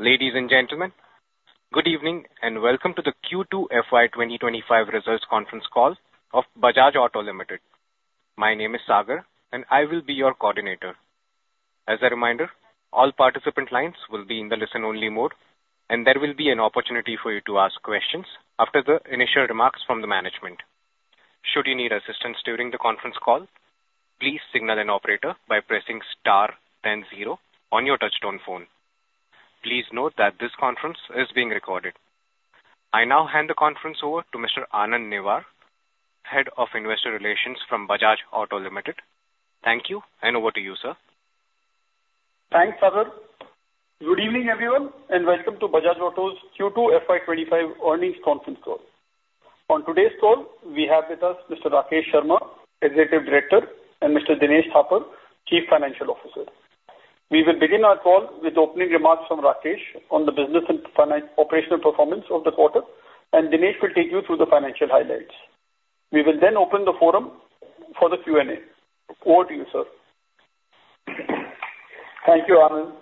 Ladies and gentlemen, good evening, and welcome to the Q2 FY 2025 results conference call of Bajaj Auto Limited. My name is Sagar, and I will be your coordinator. As a reminder, all participant lines will be in the listen-only mode, and there will be an opportunity for you to ask questions after the initial remarks from the management. Should you need assistance during the conference call, please signal an operator by pressing star then zero on your touchtone phone. Please note that this conference is being recorded. I now hand the conference over to Mr. Anand Newar, Head of Investor Relations from Bajaj Auto Limited. Thank you, and over to you, sir. Thanks, Sagar. Good evening, everyone, and welcome to Bajaj Auto's Q2 FY twenty-five earnings conference call. On today's call, we have with us Mr. Rakesh Sharma, Executive Director, and Mr. Dinesh Thapar, Chief Financial Officer. We will begin our call with opening remarks from Rakesh on the business and financial and operational performance of the quarter, and Dinesh will take you through the financial highlights. We will then open the forum for the Q&A. Over to you, sir. Thank you, Anand.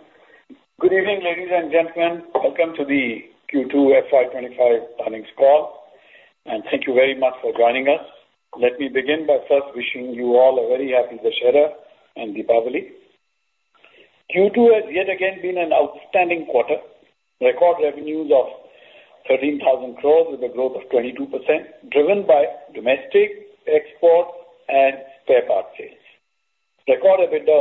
Good evening, ladies and gentlemen. Welcome to the Q2 FY 2025 earnings call, and thank you very much for joining us. Let me begin by first wishing you all a very happy Dussehra and Diwali. Q2 has yet again been an outstanding quarter. Record revenues of 13,000 crores, with a growth of 22%, driven by domestic exports and spare parts sales. Record EBITDA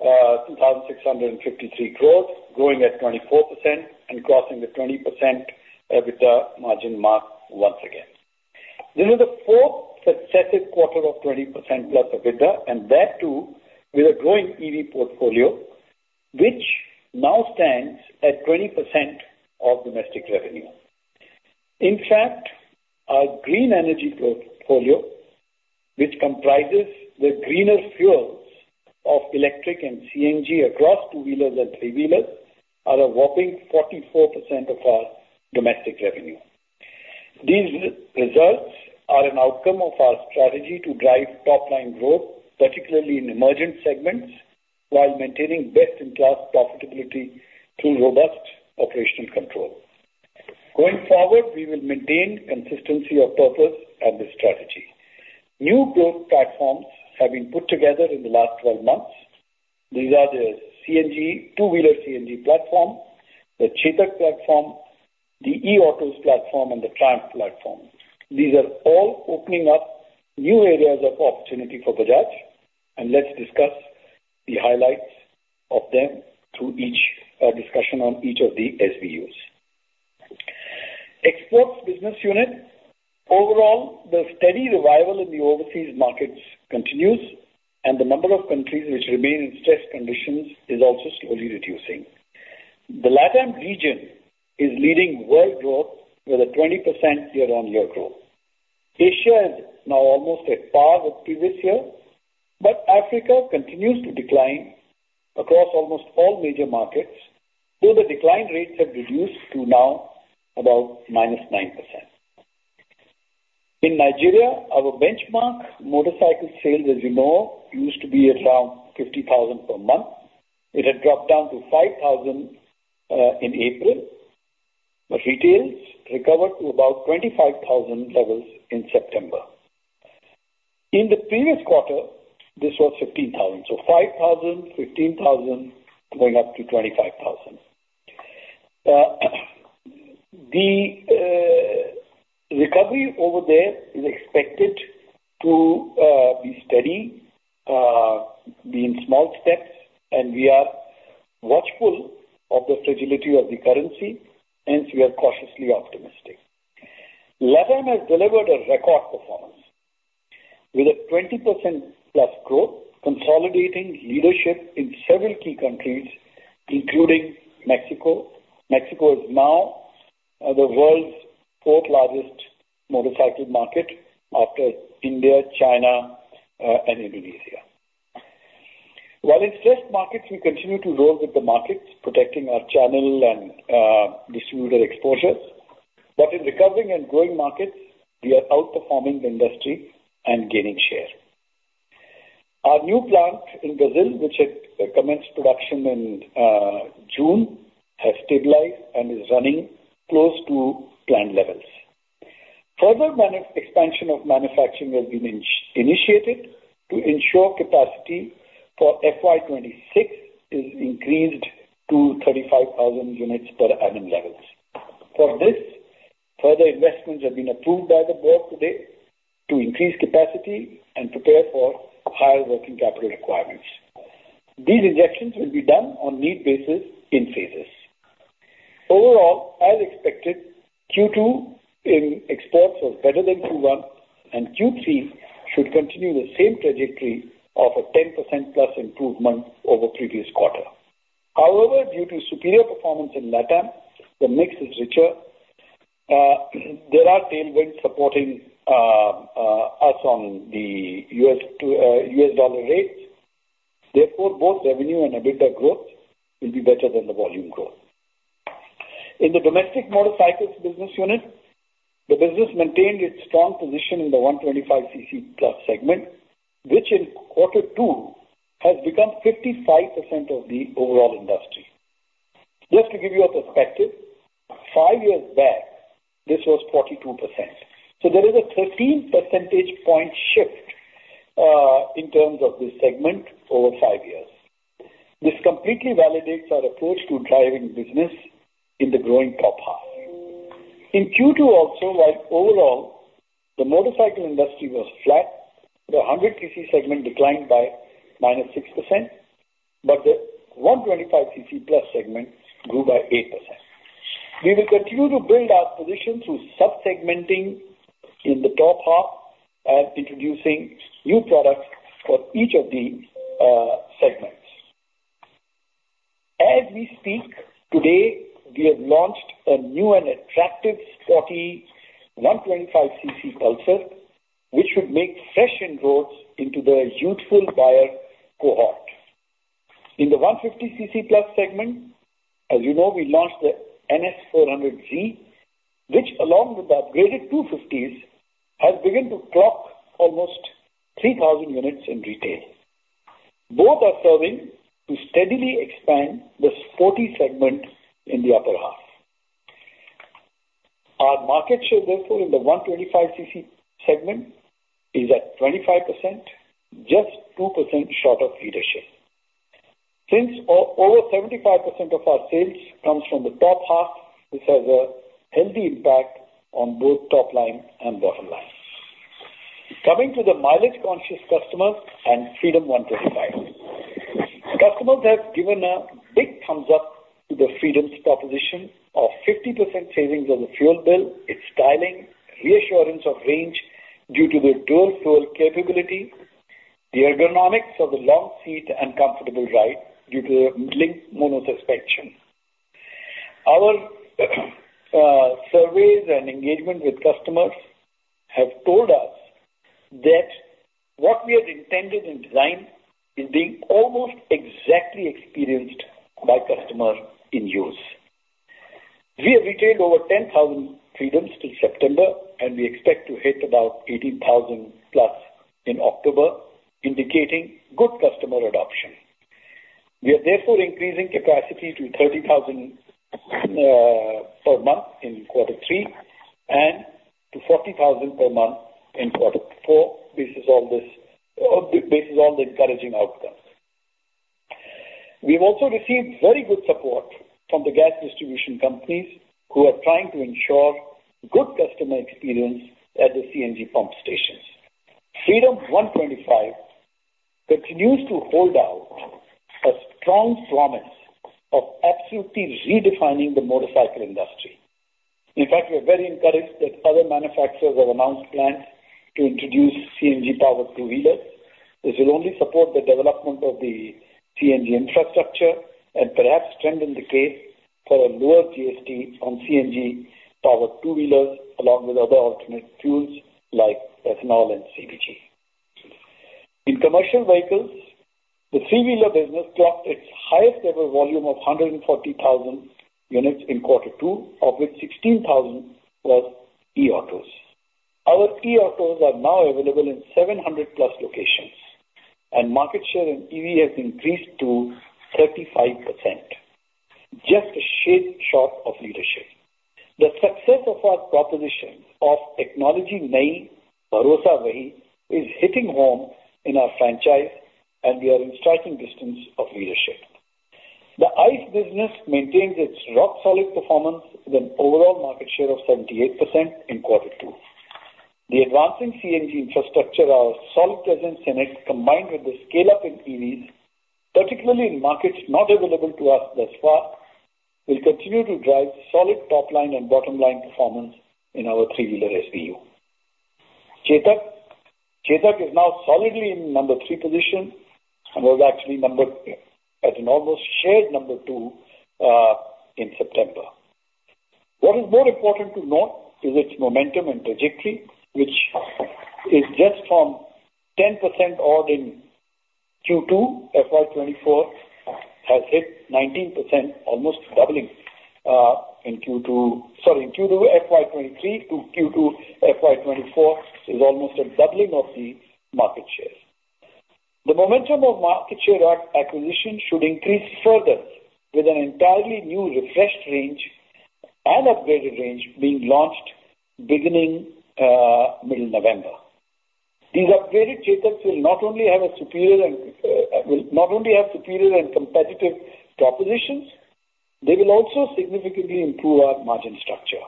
of 2,653 crores, growing at 24% and crossing the 20% EBITDA margin mark once again. This is the fourth successive quarter of 20% plus EBITDA, and that too, with a growing EV portfolio, which now stands at 20% of domestic revenue. In fact, our green energy portfolio, which comprises the greener fuels of electric and CNG across two-wheelers and three-wheelers, are a whopping 44% of our domestic revenue. These results are an outcome of our strategy to drive top-line growth, particularly in emergent segments, while maintaining best-in-class profitability through robust operational control. Going forward, we will maintain consistency of purpose and the strategy. New growth platforms have been put together in the last 12 months. These are the CNG, two-wheeler CNG platform, the Chetak platform, the e-autos platform, and the Triumph platform. These are all opening up new areas of opportunity for Bajaj, and let's discuss the highlights of them through each discussion on each of the SBUs. Exports business unit. Overall, the steady revival in the overseas markets continues, and the number of countries which remain in stressed conditions is also slowly reducing. The LatAm region is leading world growth with a 20% year-on-year growth. Asia is now almost at par with previous year, but Africa continues to decline across almost all major markets, though the decline rates have reduced to now about -9%. In Nigeria, our benchmark motorcycle sales, as you know, used to be around 50,000 per month. It had dropped down to 5,000 in April, but retails recovered to about 25,000 levels in September. In the previous quarter, this was 15,000, so 5,000, 15,000, going up to 25,000. The recovery over there is expected to be steady, be in small steps, and we are watchful of the fragility of the currency, hence we are cautiously optimistic. LatAm has delivered a record performance with a 20%+ growth, consolidating leadership in several key countries, including Mexico. Mexico is now the world's fourth largest motorcycle market after India, China, and Indonesia. While in stressed markets, we continue to roll with the markets, protecting our channel and distributor exposures, but in recovering and growing markets, we are outperforming the industry and gaining share. Our new plant in Brazil, which had commenced production in June, has stabilized and is running close to planned levels. Further expansion of manufacturing has been initiated to ensure capacity for FY 2026 is increased to 35,000 units per annum levels. For this, further investments have been approved by the board today to increase capacity and prepare for higher working capital requirements. These injections will be done on need basis in phases. Overall, as expected, Q2 in exports was better than Q1, and Q3 should continue the same trajectory of a 10%+ improvement over previous quarter. However, due to superior performance in LatAm, the mix is richer. There are tailwinds supporting us on the USD to INR rates. Therefore, both revenue and EBITDA growth will be better than the volume growth. In the domestic motorcycles business unit, the business maintained its strong position in the 125 cc+ segment, which in quarter two has become 55% of the overall industry. Just to give you a perspective, five years back, this was 42%. So there is a 13 percentage point shift in terms of this segment over five years. This completely validates our approach to driving business in the growing top half. In Q2 also, while overall the motorcycle industry was flat, the 100 cc segment declined by -6%, but the 125 cc+ segment grew by 8%. We will continue to build our position through sub-segmenting in the top half and introducing new products for each of the segments. As we speak today, we have launched a new and attractive sporty 125-cc Pulsar, which should make fresh inroads into the youthful buyer cohort. In the 150-cc+ segment, as you know, we launched the NS400Z, which along with the upgraded 250s, has begun to clock almost 3,000 units in retail. Both are serving to steadily expand the sporty segment in the upper half. Our market share, therefore, in the 125-cc segment is at 25%, just 2% short of leadership. Since over 75% of our sales comes from the top half, this has a healthy impact on both top line and bottom line. Coming to the mileage-conscious customers and Freedom 125. Customers have given a big thumbs up to the Freedom's proposition of 50% savings on the fuel bill, its styling, reassurance of range due to the dual fuel capability, the ergonomics of the long seat and comfortable ride due to the linked mono suspension. Our surveys and engagement with customers have told us that what we had intended and designed is being almost exactly experienced by customer in use. We have retailed over 10,000 Freedoms till September, and we expect to hit about 18,000+ in October, indicating good customer adoption. We are therefore increasing capacity to 30,000 per month in quarter three and to 40,000 per month in quarter four, basis all the encouraging outcomes. We have also received very good support from the gas distribution companies, who are trying to ensure good customer experience at the CNG pump stations. Freedom 125 continues to hold out a strong promise of absolutely redefining the motorcycle industry. In fact, we are very encouraged that other manufacturers have announced plans to introduce CNG-powered two-wheelers. This will only support the development of the CNG infrastructure and perhaps strengthen the case for a lower GST on CNG-powered two-wheelers, along with other alternate fuels like ethanol and CNG. In commercial vehicles, the three-wheeler business clocked its highest ever volume of 140,000 units in quarter two, of which 16,000 was e-autos. Our e-autos are now available in 700+ locations, and market share in EV has increased to 35%, just a shade short of leadership. The success of our proposition of technology nahi, bharosa wahi is hitting home in our franchise, and we are in striking distance of leadership. The ICE business maintains its rock-solid performance with an overall market share of 78% in quarter two. The advancing CNG infrastructure, our solid presence in it, combined with the scale-up in EVs, particularly in markets not available to us thus far, will continue to drive solid top line and bottom line performance in our three-wheeler SBU. Chetak. Chetak is now solidly in number three position and was actually number, at an almost shared number two, in September. What is more important to note is its momentum and trajectory, which is just from 10% odd in Q2, FY 2024 has hit 19%, almost doubling, in Q2. Sorry, in Q2 FY 2023 to Q2 FY 2024 is almost a doubling of the market share. The momentum of market share acquisition should increase further with an entirely new refreshed range and upgraded range being launched beginning middle November. These upgraded Chetaks will not only have superior and competitive propositions, they will also significantly improve our margin structure.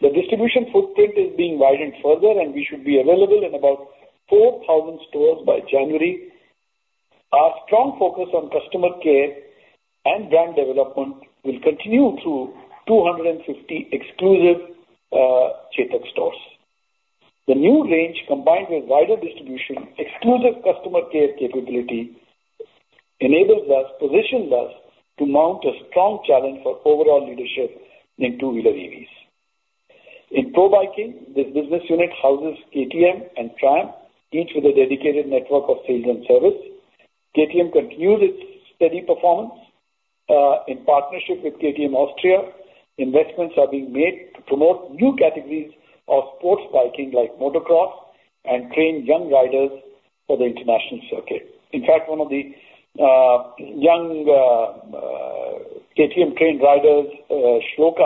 The distribution footprint is being widened further, and we should be available in about 4,000 stores by January. Our strong focus on customer care and brand development will continue through 250 exclusive Chetak stores. The new range, combined with wider distribution, exclusive customer care capability, enables us, positions us to mount a strong challenge for overall leadership in two-wheeler EVs. In pro biking, this business unit houses KTM and Triumph, each with a dedicated network of sales and service. KTM continues its steady performance in partnership with KTM Austria. Investments are being made to promote new categories of sports biking, like motocross, and train young riders for the international circuit. In fact, one of the young KTM-trained riders, Shlok,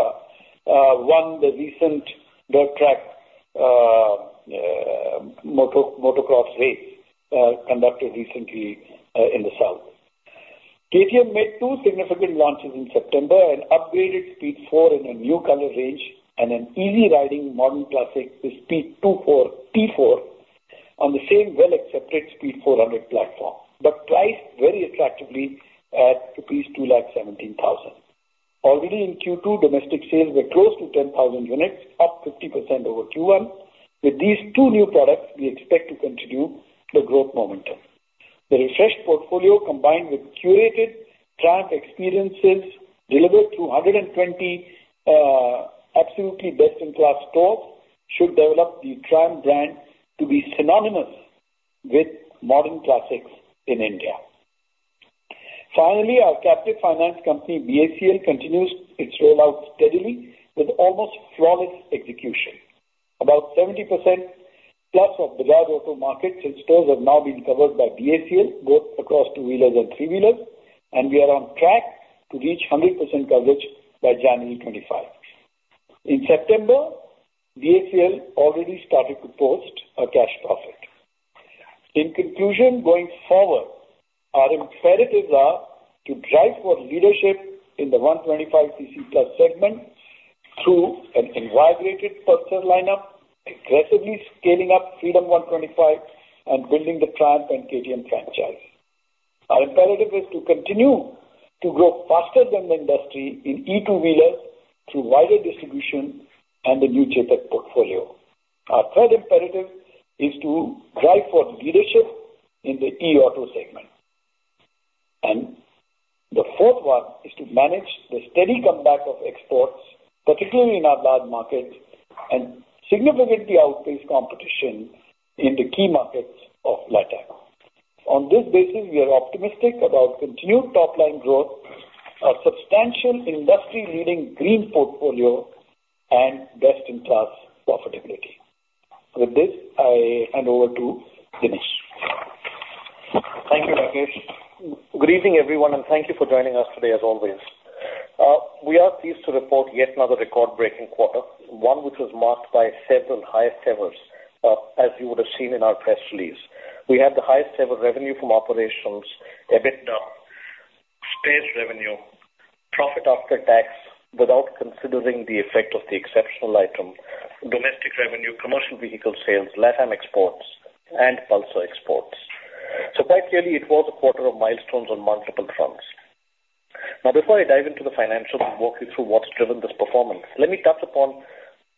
won the recent dirt track motocross race conducted recently in the south. KTM made two significant launches in September, an upgraded Speed 400 in a new color range and an easy riding modern classic, the Speed T4, on the same well-accepted Speed 400 platform, but priced very attractively at rupees two lakh seventeen thousand. Already in Q2, domestic sales were close to 10,000 units, up 50% over Q1. With these two new products, we expect to continue the growth momentum. The refreshed portfolio, combined with curated brand experiences delivered through 120 absolutely best-in-class stores, should develop the Triumph brand to be synonymous with modern classics in India. Finally, our captive finance company, BACL, continues its rollout steadily with almost flawless execution. About 70%+ of Bajaj Auto market shares have now been covered by BACL, both across two-wheelers and three-wheelers, and we are on track to reach 100% coverage by January 2025. In September, BACL already started to post a cash profit. In conclusion, going forward, our imperatives are to drive for leadership in the 125 cc plus segment through an invigorated Pulsar lineup, aggressively scaling up Freedom 125, and building the Triumph and KTM franchise. Our imperative is to continue to grow faster than the industry in E2 wheelers through wider distribution and the new Chetak portfolio. Our third imperative is to drive for leadership in the eAuto segment, and the fourth one is to manage the steady comeback of exports, particularly in our large markets, and significantly outpace competition in the key markets of LatAm. On this basis, we are optimistic about continued top line growth, a substantial industry-leading green portfolio, and best-in-class profitability. With this, I hand over to Dinesh. Thank you, Rakesh. Good evening, everyone, and thank you for joining us today as always. We are pleased to report yet another record-breaking quarter, one which was marked by several highest evers, as you would have seen in our press release. We had the highest ever revenue from operations, EBITDA, spares revenue, profit after tax, without considering the effect of the exceptional item, domestic revenue, commercial vehicle sales, LatAm exports, and Pulsar exports. So quite clearly, it was a quarter of milestones on multiple fronts. Now, before I dive into the financials and walk you through what's driven this performance, let me touch upon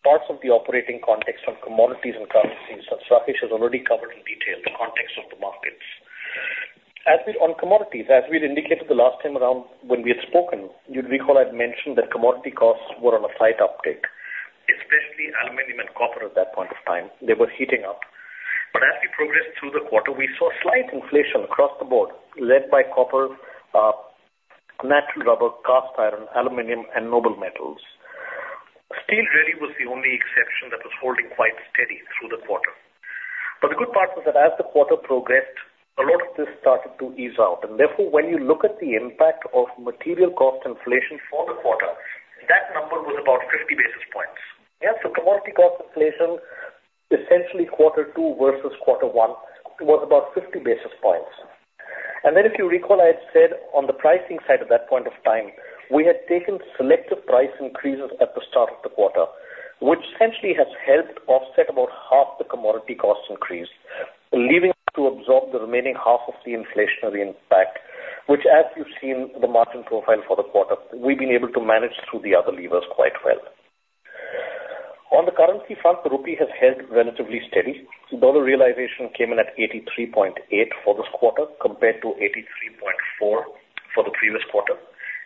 parts of the operating context on commodities and currencies, since Rakesh has already covered in detail the context of the markets. As with on commodities, as we had indicated the last time around when we had spoken, you'd recall I'd mentioned that commodity costs were on a slight uptake, especially aluminum and copper at that point of time. They were heating up. But as we progressed through the quarter, we saw slight inflation across the board, led by copper, natural rubber, cast iron, aluminum, and noble metals. Steel really was the only exception that was holding quite steady through the quarter. But the good part was that as the quarter progressed, a lot of this started to ease out. And therefore, when you look at the impact of material cost inflation for the quarter, that number was about fifty basis points. Yeah, so commodity cost inflation, essentially quarter two versus quarter one, was about 50 basis points. And then, if you recall, I had said on the pricing side at that point of time, we had taken selective price increases at the start of the quarter, which essentially has helped offset about half the commodity cost increase, leaving to absorb the remaining half of the inflationary impact, which, as you've seen the margin profile for the quarter, we've been able to manage through the other levers quite well. On the currency front, the rupee has held relatively steady. Dollar realization came in at 83.8 for this quarter, compared to 83.4 for the previous quarter,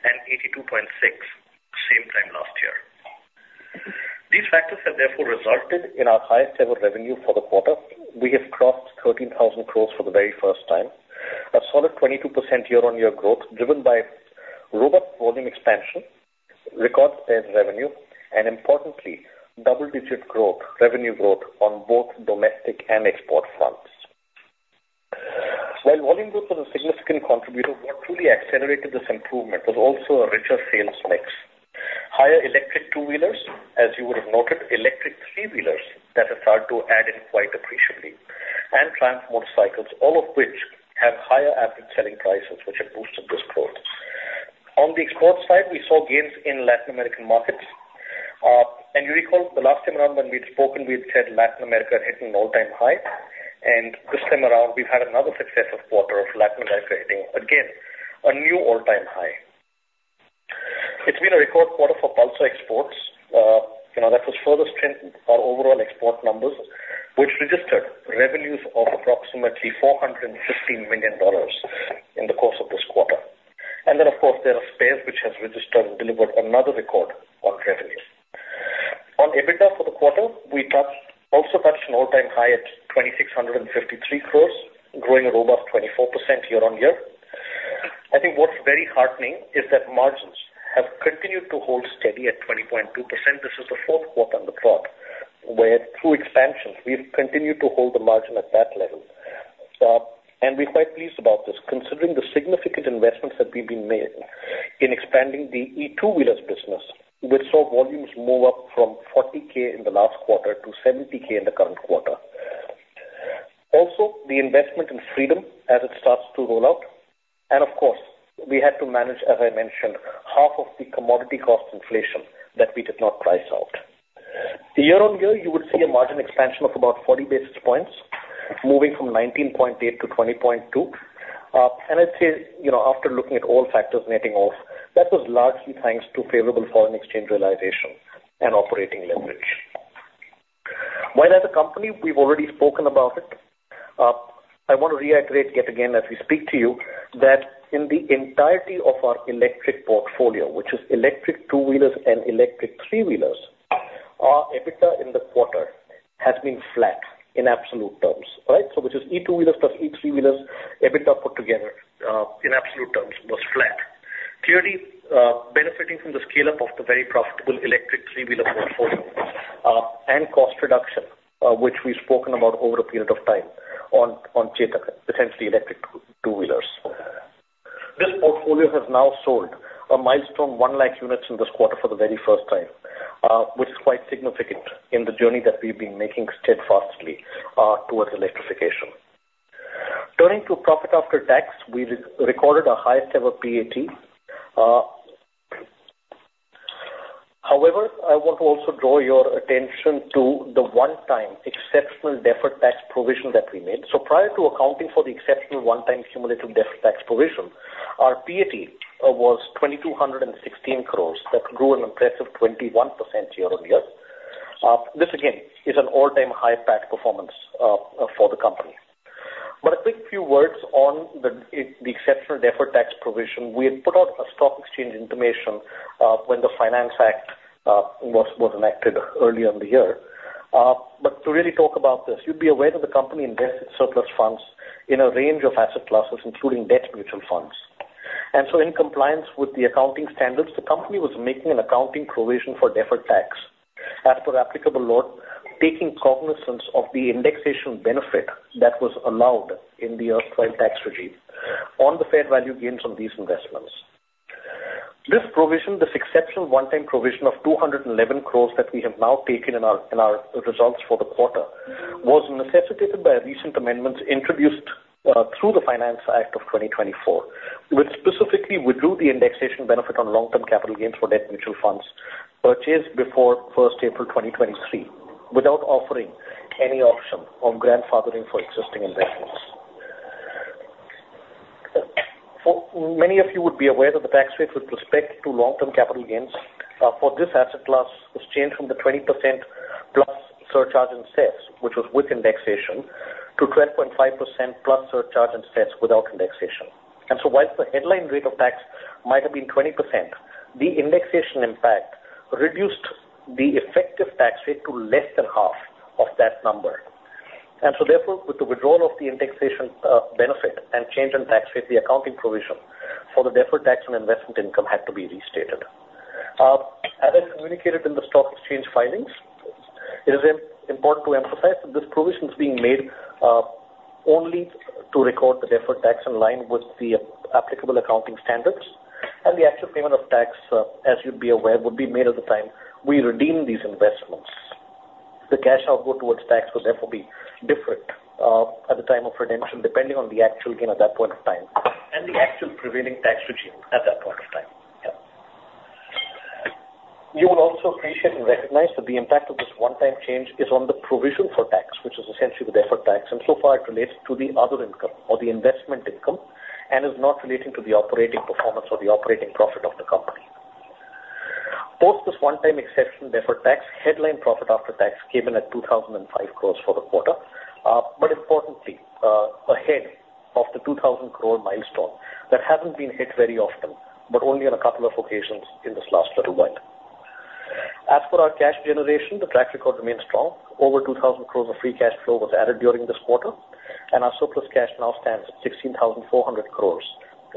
and 82.6, same time last year. These factors have therefore resulted in our highest ever revenue for the quarter. We have crossed 13,000 crores for the very first time. A solid 22% year-on-year growth, driven by robust volume expansion, record sales revenue, and importantly, double-digit growth, revenue growth, on both domestic and export fronts. While volume growth was a significant contributor, what truly accelerated this improvement was also a richer sales mix. Higher electric two-wheelers, as you would have noted, electric three-wheelers that have started to add in quite appreciably, and Triumph motorcycles, all of which have higher average selling prices, which have boosted this growth. On the export side, we saw gains in Latin American markets, and you recall the last time around when we'd spoken, we'd said Latin America had hit an all-time high, and this time around, we've had another successful quarter of Latin America hitting, again, a new all-time high. It's been a record quarter for Pulsar exports. You know, that has further strengthened our overall export numbers, which registered revenues of approximately $415 million in the course of this quarter. Then, of course, there are spares which has registered and delivered another record on revenues. On EBITDA for the quarter, we touched an all-time high at 2,653 crores, growing a robust 24% year-on-year. I think what's very heartening is that margins have continued to hold steady at 20.2%. This is the fourth quarter on the trot, where through expansion, we've continued to hold the margin at that level. And we're quite pleased about this, considering the significant investments that we've made in expanding the EV two-wheelers business, which saw volumes move up from 40K in the last quarter to 70K in the current quarter. Also, the investment in Freedom as it starts to roll out, and of course, we had to manage, as I mentioned, half of the commodity cost inflation that we did not price out. Year-on-year, you would see a margin expansion of about 40 basis points, moving from 19.8%-20.2%. And I'd say, you know, after looking at all factors netting off, that was largely thanks to favorable foreign exchange realization and operating leverage. While as a company, we've already spoken about it, I want to reiterate yet again as we speak to you, that in the entirety of our electric portfolio, which is electric two-wheelers and electric three wheelers, our EBITDA in the quarter has been flat in absolute terms, all right? So which is E2 wheelers plus E3 wheelers, EBITDA put together, in absolute terms, was flat. Clearly, benefiting from the scale-up of the very profitable electric three-wheeler portfolio, and cost reduction, which we've spoken about over a period of time on Chetak, essentially electric two-wheelers. This portfolio has now sold a milestone one lakh units in this quarter for the very first time, which is quite significant in the journey that we've been making steadfastly towards electrification. Turning to profit after tax, we recorded our highest ever PAT. However, I want to also draw your attention to the one-time exceptional deferred tax provision that we made. So prior to accounting for the exceptional one-time cumulative deferred tax provision, our PAT was 2,216 crores. That grew an impressive 21% year-on-year. This again is an all-time high PAT performance for the company. But a quick few words on the exceptional deferred tax provision. We had put out a stock exchange information when the Finance Act was enacted early in the year. But to really talk about this, you'd be aware that the company invested surplus funds in a range of asset classes, including debt mutual funds. And so in compliance with the accounting standards, the company was making an accounting provision for deferred tax as per applicable law, taking cognizance of the indexation benefit that was allowed in the erstwhile tax regime on the fair value gains on these investments. This provision, this exceptional one-time provision of 211 crore that we have now taken in our results for the quarter, was necessitated by recent amendments introduced through the Finance Act of 2024, which specifically withdrew the indexation benefit on long-term capital gains for debt mutual funds purchased before 1st April 2023, without offering any option on grandfathering for existing investments. For many of you would be aware that the tax rate with respect to long-term capital gains for this asset class was changed from the 20%+ surcharge and cess, which was with indexation, to 12.5%+ surcharge and cess without indexation. And so whilst the headline rate of tax might have been 20%, the indexation impact reduced the effective tax rate to less than half of that number. And so therefore, with the withdrawal of the indexation benefit and change in tax rate, the accounting provision for the deferred tax on investment income had to be restated. As I communicated in the stock exchange filings, it is important to emphasize that this provision is being made only to record the deferred tax in line with the applicable accounting standards, and the actual payment of tax, as you'd be aware, would be made at the time we redeem these investments. The cash outflow towards tax would therefore be different at the time of redemption, depending on the actual gain at that point of time and the actual prevailing tax regime at that point of time. Yeah. You will also appreciate and recognize that the impact of this one-time change is on the provision for tax, which is essentially the deferred tax, and so far it relates to the other income or the investment income, and is not relating to the operating performance or the operating profit of the company. Post this one-time exception, deferred tax, headline profit after tax, came in at 2,005 crores for the quarter, but importantly, ahead of the 2,000 crore milestone. That hasn't been hit very often, but only on a couple of occasions in this last little while. As for our cash generation, the track record remains strong. Over 2,000 crores of free cash flow was added during this quarter, and our surplus cash now stands at 16,400 crores.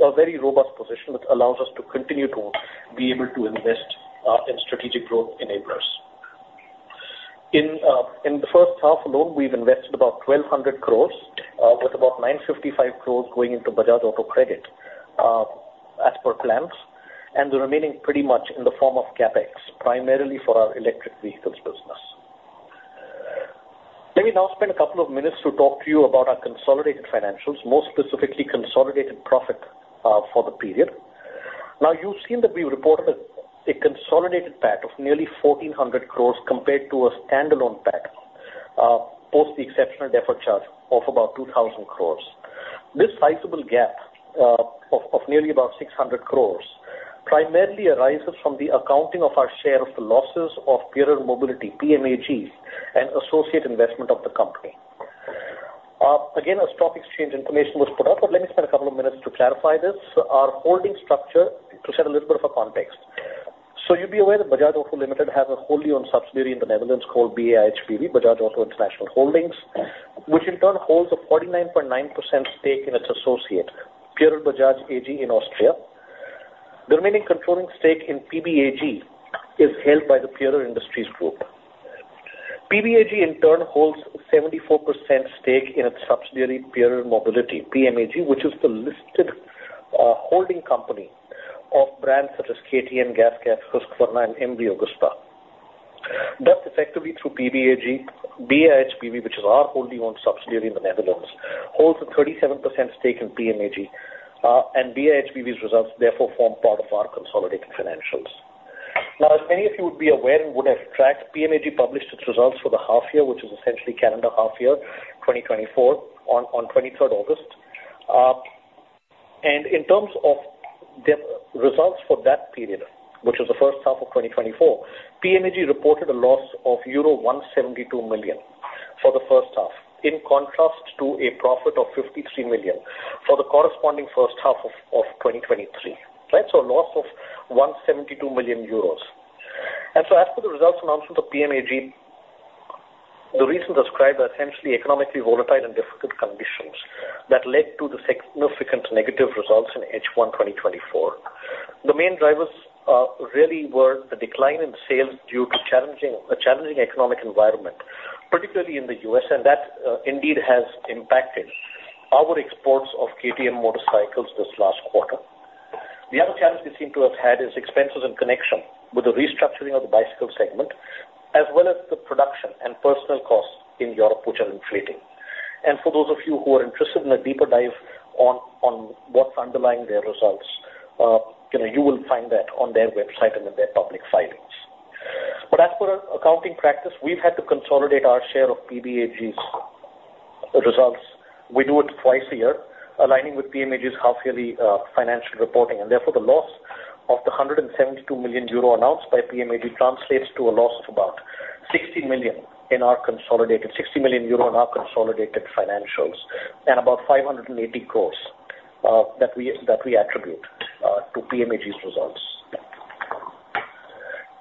A very robust position, which allows us to continue to be able to invest in strategic growth enablers. In the first half alone, we've invested about 1,200 crores with about 955 crores going into Bajaj Auto Credit as per plans, and the remaining pretty much in the form of CapEx, primarily for our electric vehicles business. Let me now spend a couple of minutes to talk to you about our consolidated financials, more specifically, consolidated profit for the period. Now, you've seen that we reported a consolidated PAT of nearly 1,400 crores compared to a standalone PAT post the exceptional deferred charge of about 2,000 crores. This sizable gap of nearly about 600 crores primarily arises from the accounting of our share of the losses of Pierer Mobility, PMAG, an associate investment of the company. Again, as stock exchange information was put out, but let me spend a couple of minutes to clarify this. Our holding structure, to set a little bit of a context. So you'd be aware that Bajaj Auto Limited has a wholly owned subsidiary in the Netherlands called BAIHBV, Bajaj Auto International Holdings, which in turn holds a 49.9% stake in its associate, Pierer Bajaj AG in Austria. The remaining controlling stake in PBAG is held by the Pierer Industries Group. PBAG, in turn, holds 74% stake in its subsidiary, Pierer Mobility, PMAG, which is the listed, holding company of brands such as KTM, GASGAS, Husqvarna, and MV Agusta. Thus, effectively, through PBAG, BAIHBV, which is our wholly owned subsidiary in the Netherlands, holds a 37% stake in PMAG, and BAIHBV's results therefore form part of our consolidated financials. Now, as many of you would be aware and would have tracked, PMAG published its results for the half year, which is essentially calendar half year, 2024, on August 23rd, 2024, and in terms of the results for that period, which was the first half of 2024, PMAG reported a loss of euro 172 million for the first half, in contrast to a profit of 53 million for the corresponding first half of 2023. Right? So a loss of 172 million euros. As for the results announced by the PMAG, the reasons described are essentially economically volatile and difficult conditions that led to the significant negative results in H1 2024. The main drivers really were the decline in sales due to a challenging economic environment, particularly in the U.S., and that indeed has impacted our exports of KTM motorcycles this last quarter. The other challenge we seem to have had is expenses in connection with the restructuring of the bicycle segment, as well as the production and personal costs in Europe, which are inflating. For those of you who are interested in a deeper dive on what's underlying their results, you know, you will find that on their website and in their public filings. As for our accounting practice, we've had to consolidate our share of PBAG's results. We do it twice a year, aligning with PMAG's half yearly financial reporting, and therefore, the loss of 172 million euro announced by PMAG translates to a loss of about 60 million in our consolidated, 60 million euro in our consolidated financials, and about 580 crores that we attribute to PMAG's results.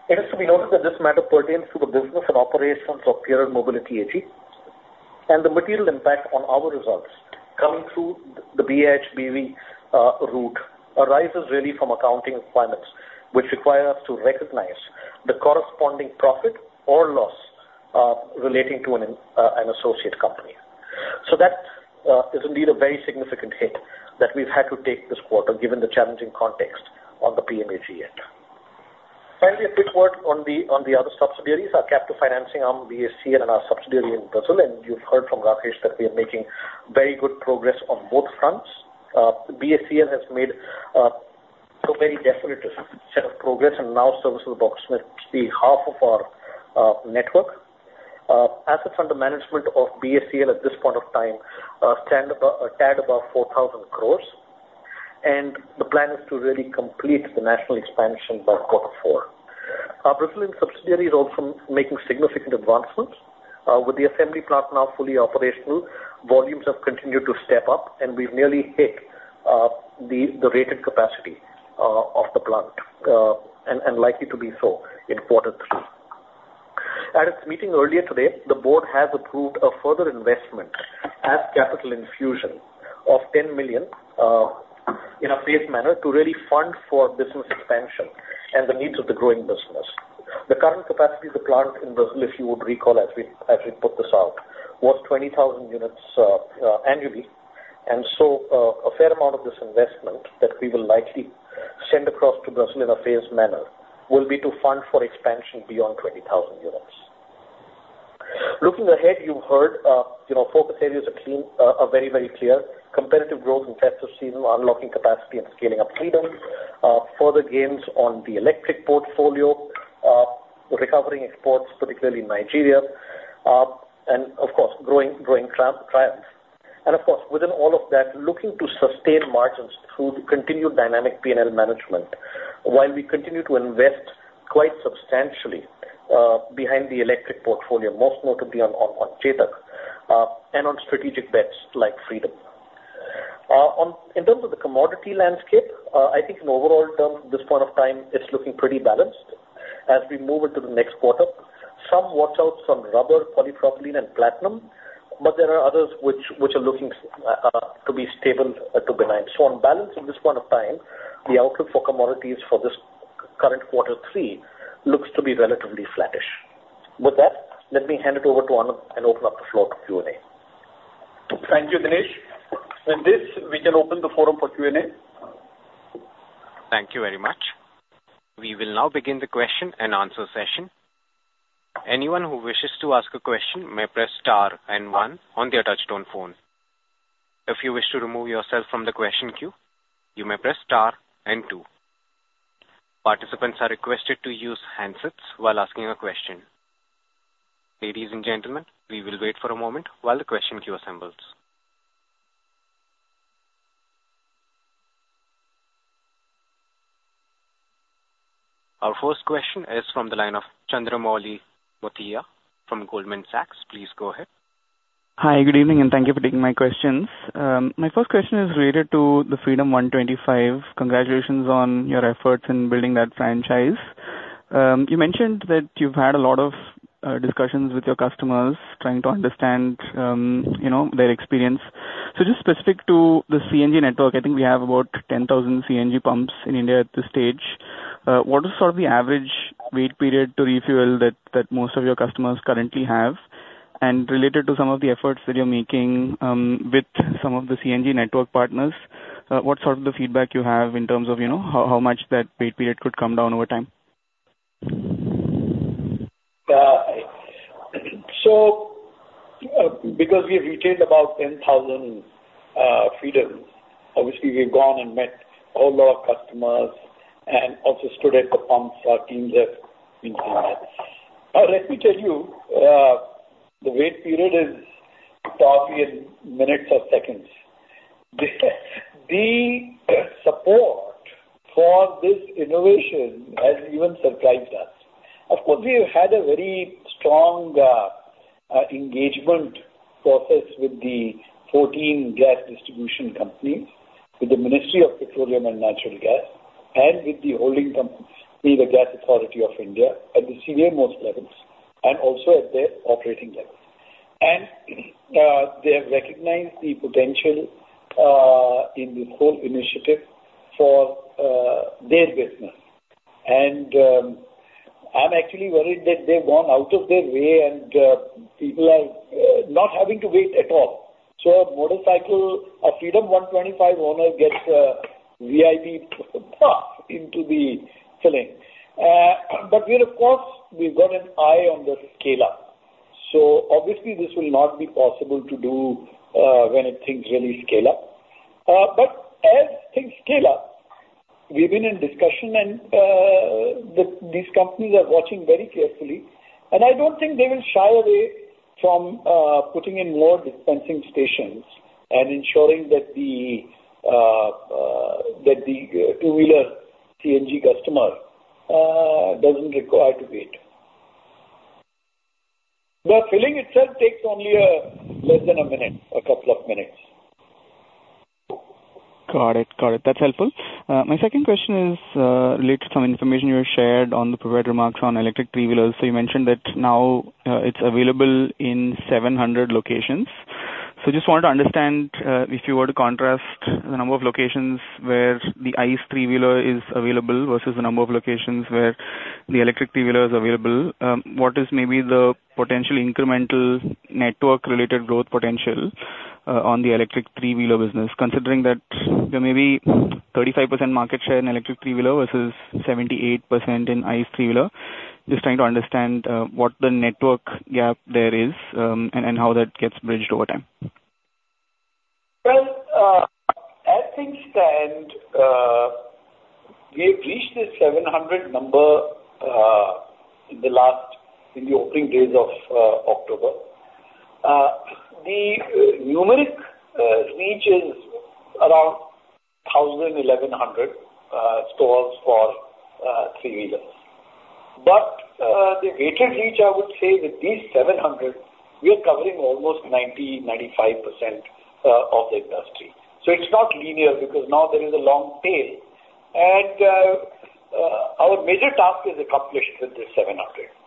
It is to be noted that this matter pertains to the business and operations of Pierer Mobility AG, and the material impact on our results coming through the BAIHBV route arises really from accounting requirements, which require us to recognize the corresponding profit or loss relating to an associate company. That is indeed a very significant hit that we've had to take this quarter, given the challenging context on the PMAG end. Finally, a quick word on the other subsidiaries, our capital financing arm, BACL, and our subsidiary in Brazil, and you've heard from Rakesh that we are making very good progress on both fronts. The BACL has made a very definitive set of progress and now services both on behalf of our network. Assets under management of BACL at this point of time stand above, a tad above 4,000 crores, and the plan is to really complete the national expansion by quarter four. Our Brazilian subsidiary is also making significant advancements. With the assembly plant now fully operational, volumes have continued to step up, and we've nearly hit the rated capacity of the plant, and likely to be so in quarter three. At its meeting earlier today, the board has approved a further investment as capital infusion of $10 million in a phased manner to really fund for business expansion and the needs of the growing business. The current capacity of the plant in Brazil, if you would recall, as we put this out, was 20,000 units annually. And so, a fair amount of this investment that we will likely send across to Brazil in a phased manner will be to fund for expansion beyond 20,000 units. Looking ahead, you heard, you know, focus areas are clean are very, very clear. Competitive growth in festive season, unlocking capacity and scaling up Freedom, further gains on the electric portfolio, recovering exports, particularly in Nigeria, and of course, growing Triumph. And of course, within all of that, looking to sustain margins through the continued dynamic P&L management, while we continue to invest quite substantially behind the electric portfolio, most notably on Chetak, and on strategic bets like Freedom. In terms of the commodity landscape, I think in overall terms, this point of time, it's looking pretty balanced. As we move into the next quarter, some watch outs on rubber, polypropylene, and platinum, but there are others which are looking to be stable to benign. So on balance, at this point of time, the outlook for commodities for this current quarter three looks to be relatively flattish. With that, let me hand it over to Anand and open up the floor to Q&A. Thank you, Dinesh. With this, we can open the forum for Q&A. Thank you very much. We will now begin the question-and-answer session. Anyone who wishes to ask a question may press star and one on their touchtone phone. If you wish to remove yourself from the question queue, you may press star and two. Participants are requested to use handsets while asking a question. Ladies and gentlemen, we will wait for a moment while the question queue assembles. Our first question is from the line of Chandramouli Muthiah from Goldman Sachs. Please go ahead. Hi, good evening, and thank you for taking my questions. My first question is related to the Freedom 125. Congratulations on your efforts in building that franchise. You mentioned that you've had a lot of discussions with your customers, trying to understand, you know, their experience. So just specific to the CNG network, I think we have about ten thousand CNG pumps in India at this stage. What is sort of the average wait period to refuel that most of your customers currently have? And related to some of the efforts that you're making with some of the CNG network partners, what sort of the feedback you have in terms of, you know, how much that wait period could come down over time? So, because we've retailed about 10,000 Freedom, obviously we've gone and met a whole lot of customers and also stood at the pumps, our teams have in India. Let me tell you, the wait period is probably in minutes or seconds. The support for this innovation has even surprised us. Of course, we have had a very strong engagement process with the 14 gas distribution companies, with the Ministry of Petroleum and Natural Gas, and with the holding company, the Gas Authority of India, at the senior-most levels and also at their operating levels. And, they have recognized the potential in this whole initiative for their business. And, I'm actually worried that they've gone out of their way, and people are not having to wait at all. So a motorcycle, a Freedom 125 owner gets a VIP path into the filling. But we of course, we've got an eye on the scale up. So obviously this will not be possible to do when things really scale up. But as things scale up, we've been in discussion, and these companies are watching very carefully, and I don't think they will shy away from putting in more dispensing stations and ensuring that the two-wheeler CNG customer doesn't require to wait. The filling itself takes only less than a minute, a couple of minutes. Got it. Got it. That's helpful. My second question is related to some information you shared on the prepared remarks on electric three-wheelers. So you mentioned that now it's available in 700 locations. So just wanted to understand if you were to contrast the number of locations where the ICE three-wheeler is available versus the number of locations where the electric three-wheeler is available, what is maybe the potential incremental network-related growth potential on the electric three-wheeler business? Considering that there may be 35% market share in electric three-wheeler versus 78% in ICE three-wheeler. Just trying to understand what the network gap there is and how that gets bridged over time. Well, as things stand, we've reached this 700 number in the last, in the opening days of October. The numeric reach is around 1,000 stores, 1,100 stores for three-wheelers. But the weighted reach, I would say with these 700, we are covering almost 90%-95% of the industry. So it's not linear, because now there is a long tail. And our major task is accomplished with the 700.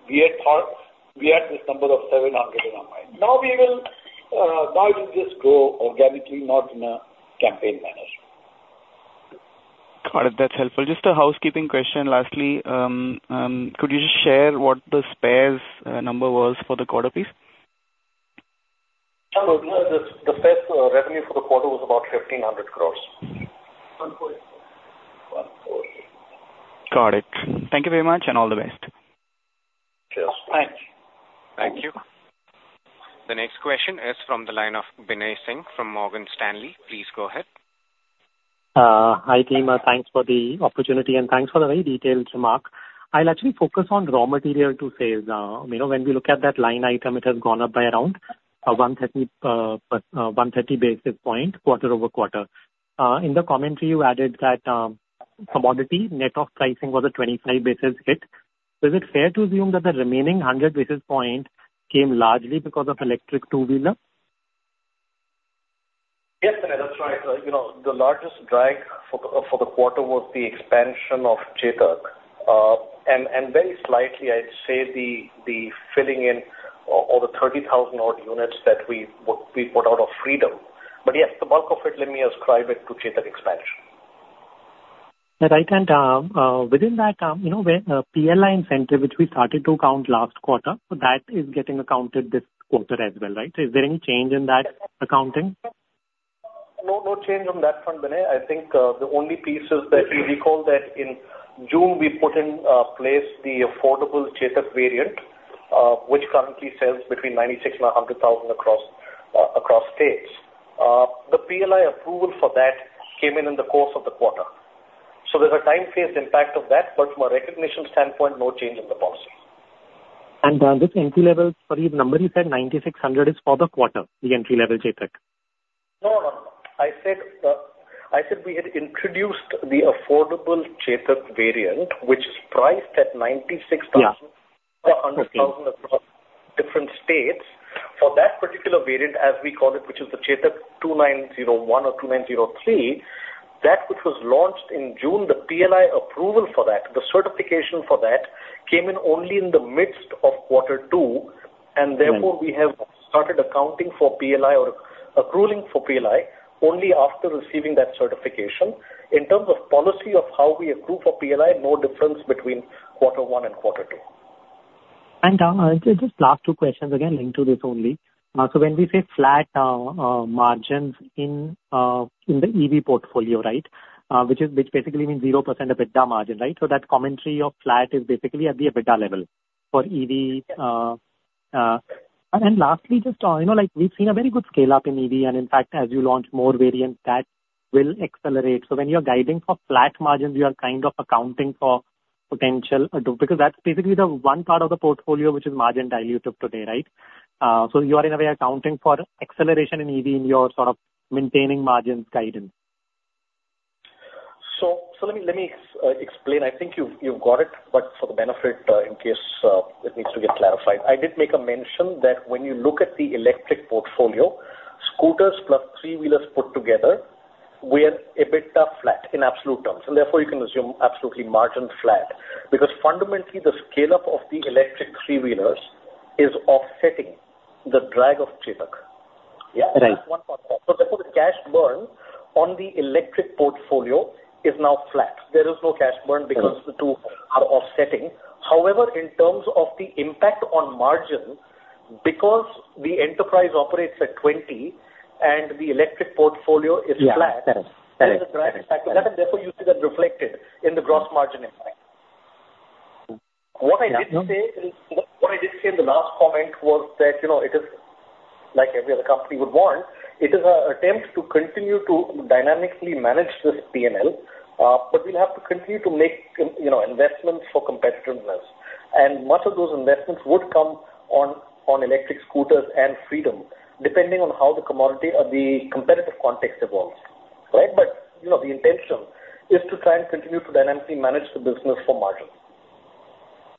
We had thought, we had this number of 700 in our mind. Now we will, now it will just grow organically, not in a campaign manner. Got it. That's helpful. Just a housekeeping question, lastly. Could you just share what the spares number was for the quarter, please? Sure. The spares revenue for the quarter was about 1,500 crores. 14. 14. Got it. Thank you very much, and all the best. Cheers. Thank you. Thank you. The next question is from the line of Binay Singh from Morgan Stanley. Please go ahead. Hi, team, thanks for the opportunity and thanks for the very detailed remark. I'll actually focus on raw material to sales. You know, when we look at that line item, it has gone up by around 130 basis points, quarter over quarter. In the commentary you added that commodity net of pricing was a 25 basis hit. Is it fair to assume that the remaining 100 basis points came largely because of electric two-wheeler? Yes, Binay, that's right. You know, the largest drag for the quarter was the expansion of Chetak. And very slightly, I'd say the filling in over 30,000 odd units that we put out of Freedom. But yes, the bulk of it, let me ascribe it to Chetak expansion. Right, and within that, you know, where PLI incentive, which we started to count last quarter, that is getting accounted this quarter as well, right? Is there any change in that accounting? No, no change on that front, Binay. I think, the only piece is that if you recall that in June we put in place the affordable Chetak variant, which currently sells between 96,000 and 100,000 across states. The PLI approval for that came in, in the course of the quarter. So there's a time-phased impact of that, but from a recognition standpoint, no change in the policy. And this entry-level, sorry, the number you said, 9,600, is for the quarter, the entry-level Chetak? No, no, no. I said, I said we had introduced the affordable Chetak variant, which is priced at 96,000 Yeah. Our 100,000 across different states. For that particular variant, as we call it, which is the Chetak 2901 or 2903, that which was launched in June, the PLI approval for that, the certification for that, came in only in the midst of quarter two, and therefore. Mm. We have started accounting for PLI or accruing for PLI only after receiving that certification. In terms of policy of how we accrue for PLI, no difference between quarter one and quarter two. And, just last two questions again, linked to this only. So when we say flat margins in the EV portfolio, right? Which basically means 0% EBITDA margin, right? So that commentary of flat is basically at the EBITDA level for EV. And then lastly, just, you know, like, we've seen a very good scale-up in EV, and in fact, as you launch more variants, that will accelerate. So when you are guiding for flat margins, you are kind of accounting for potential add to, because that's basically the one part of the portfolio which is margin dilutive today, right? So you are in a way accounting for acceleration in EV in your sort of maintaining margins guidance. Let me explain. I think you've got it, but for the benefit, in case it needs to get clarified. I did make a mention that when you look at the electric portfolio, scooters plus three-wheelers put together were EBITDA flat in absolute terms, and therefore, you can assume absolutely margin flat. Because fundamentally, the scale-up of the electric three-wheelers is offsetting the drag of Chetak. Yeah, right. That's one part. So therefore, the cash burn on the electric portfolio is now flat. There is no cash burn- Mm. because the two are offsetting. However, in terms of the impact on margin, because the enterprise operates at 20 and the electric portfolio is flat- Yeah. Got it. Got it. There is a drag factor, and therefore, you see that reflected in the gross margin impact. Yeah. What I did say, what I did say in the last comment was that, you know, it is like every other company would want, it is an attempt to continue to dynamically manage this P&L, but we'll have to continue to make you know, investments for competitiveness. And much of those investments would come on electric scooters and freedom, depending on how the commodity or the competitive context evolves, right? But, you know, the intention is to try and continue to dynamically manage the business for margin.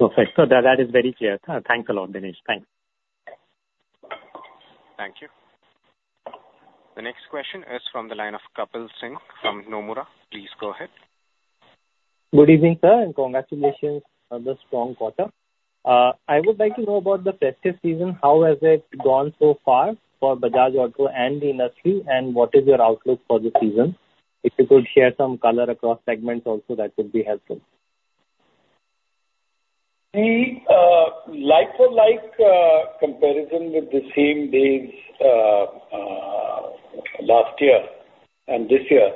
Perfect. So that is very clear. Thanks a lot, Dinesh. Thanks. Thank you. The next question is from the line of Kapil Singh from Nomura. Please go ahead. Good evening, sir, and congratulations on the strong quarter. I would like to know about the festive season. How has it gone so far for Bajaj Auto and the industry, and what is your outlook for the season? If you could share some color across segments also, that would be helpful. The like for like comparison with the same days last year and this year,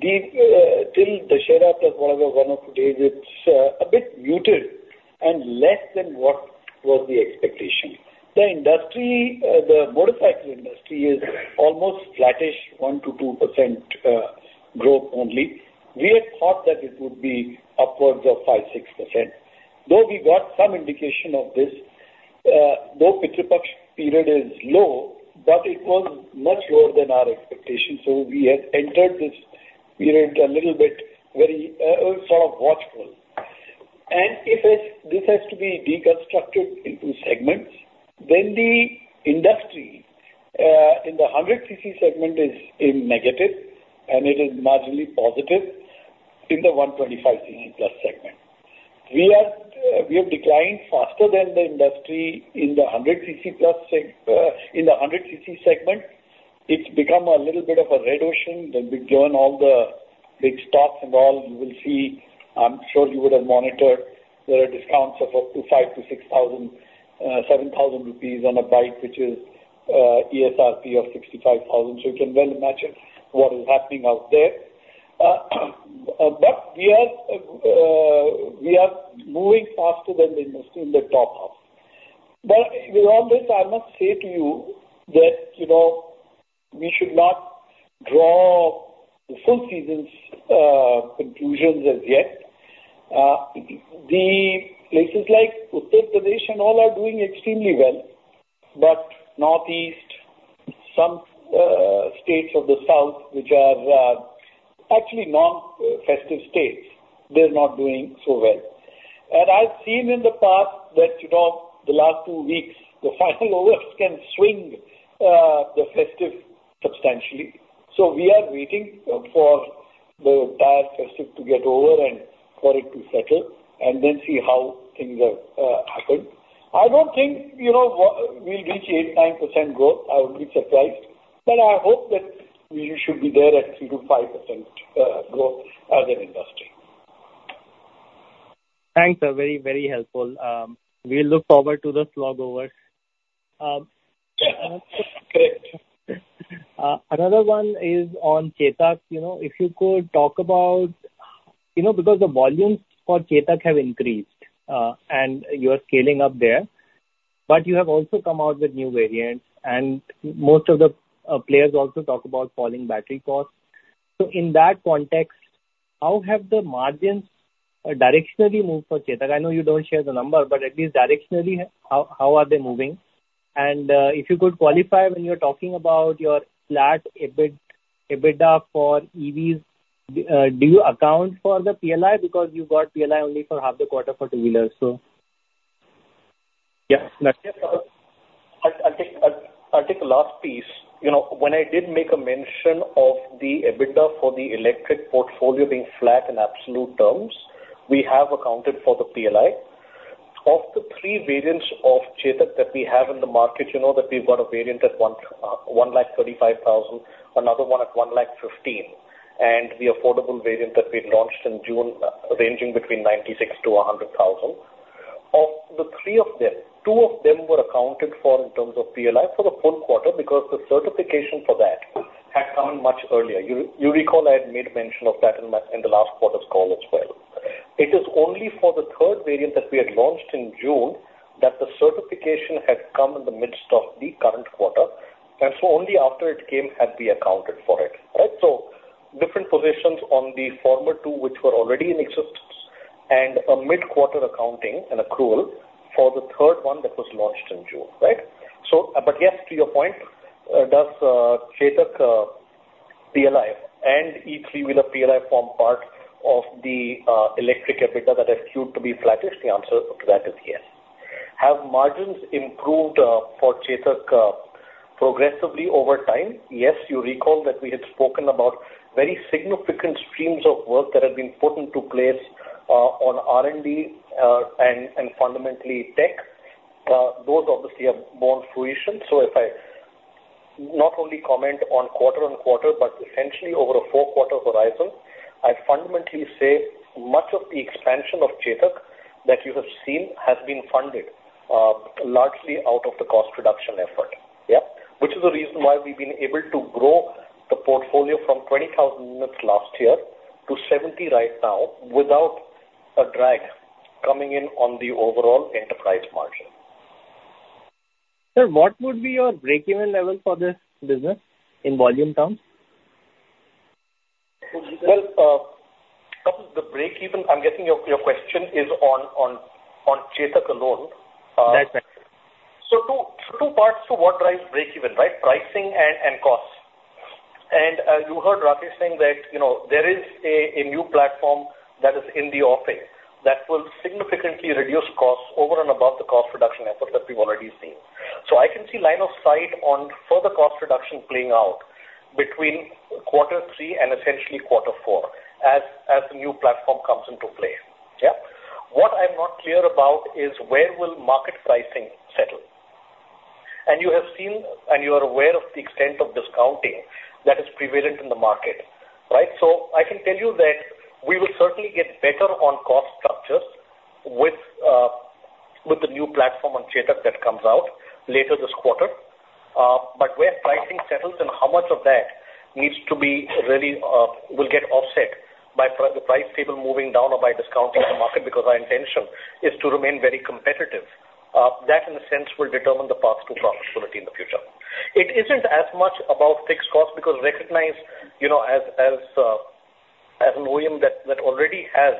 till Dussehra plus one of the days, it's a bit muted and less than what was the expectation. The industry, the motorcycle industry is almost flattish, 1%-2% growth only. We had thought that it would be upwards of 5%-6%. Though we got some indication of this, though Pitru Paksha period is low, but it was much lower than our expectation. So we had entered this period a little bit, very sort of watchful. If this has to be deconstructed into segments, then the industry in the 100 cc segment is in negative, and it is marginally positive in the 125 cc+ segment. We are, we have declined faster than the industry in the 100 cc+ segment, in the 100 cc segment. It's become a little bit of a red ocean. When we join all the big stocks involved, you will see, I'm sure you would have monitored, there are discounts of up to 5,000-6,000, 7,000 rupees on a bike, which is, ESRP of 65,000. So you can well imagine what is happening out there. But we are moving faster than the industry in the top half. But with all this, I must say to you that, you know, we should not draw the full season's conclusions as yet. The places like Uttar Pradesh and all are doing extremely well, but Northeast, some states of the South, which are actually non-festive states, they're not doing so well. And I've seen in the past that, you know, the last two weeks, the final over can swing the festive substantially. So we are waiting for the entire festive to get over and for it to settle, and then see how things are happened. I don't think, you know, we'll reach 8%-9% growth. I would be surprised, but I hope that we should be there at 3%-5% growth as an industry. Thanks, sir. Very, very helpful. We look forward to the slog overs. Great. Another one is on Chetak. You know, if you could talk about, you know, because the volumes for Chetak have increased, and you are scaling up there. But you have also come out with new variants, and most of the players also talk about falling battery costs. So in that context, how have the margins directionally moved for Chetak? I know you don't share the number, but at least directionally, how are they moving? And if you could qualify when you are talking about your flat EBITDA for EVs, do you account for the PLI? Because you got PLI only for half the quarter for two-wheelers. So, yeah. I'll take the last piece. You know, when I did make a mention of the EBITDA for the electric portfolio being flat in absolute terms, we have accounted for the PLI. Of the three variants of Chetak that we have in the market, you know, that we've got a variant at 1.35 crores, another one at 1.15 crores, and the affordable variant that we launched in June, ranging between 96,000-1,00,000. Of the three of them, two of them were accounted for in terms of PLI for the full quarter, because the certification for that had come much earlier. You recall I had made mention of that in the last quarter's call as well. It is only for the third variant that we had launched in June, that the certification had come in the midst of the current quarter, and so only after it came had we accounted for it, right? So different positions on the former two, which were already in existence, and a mid-quarter accounting, an accrual, for the third one that was launched in June, right? So, but yes, to your point, does Chetak PLI and e-3 wheeler PLI form part of the electric EBITDA that has proved to be flattish? The answer to that is yes. Have margins improved for Chetak progressively over time? Yes. You recall that we had spoken about very significant streams of work that have been put into place on R&D and fundamentally tech. Those obviously have borne fruition. So if I not only comment on quarter on quarter, but essentially over a four quarter horizon, I fundamentally say much of the expansion of Chetak that you have seen has been funded largely out of the cost reduction effort. Which is the reason why we've been able to grow the portfolio from 20,000 units last year to 70 right now, without a drag coming in on the overall enterprise margin. Sir, what would be your break-even level for this business in volume terms? Well, the break-even, I'm guessing your question is on Chetak alone. That's right. So two parts to what drives break-even, right? Pricing and costs. And you heard Rakesh saying that, you know, there is a new platform that is in the offing that will significantly reduce costs over and above the cost reduction effort that we've already seen. So I can see line of sight on further cost reduction playing out between quarter three and essentially quarter four, as the new platform comes into play. Yeah. What I'm not clear about is where will market pricing settle? And you have seen, and you are aware of the extent of discounting that is prevalent in the market, right? So I can tell you that we will certainly get better on cost structures with the new platform on Chetak that comes out later this quarter. But where pricing settles and how much of that needs to be really will get offset by the pricing moving down or by discounting the market, because our intention is to remain very competitive. That, in a sense, will determine the path to profitability in the future. It isn't as much about fixed costs, because recognize, you know, as an OEM that already has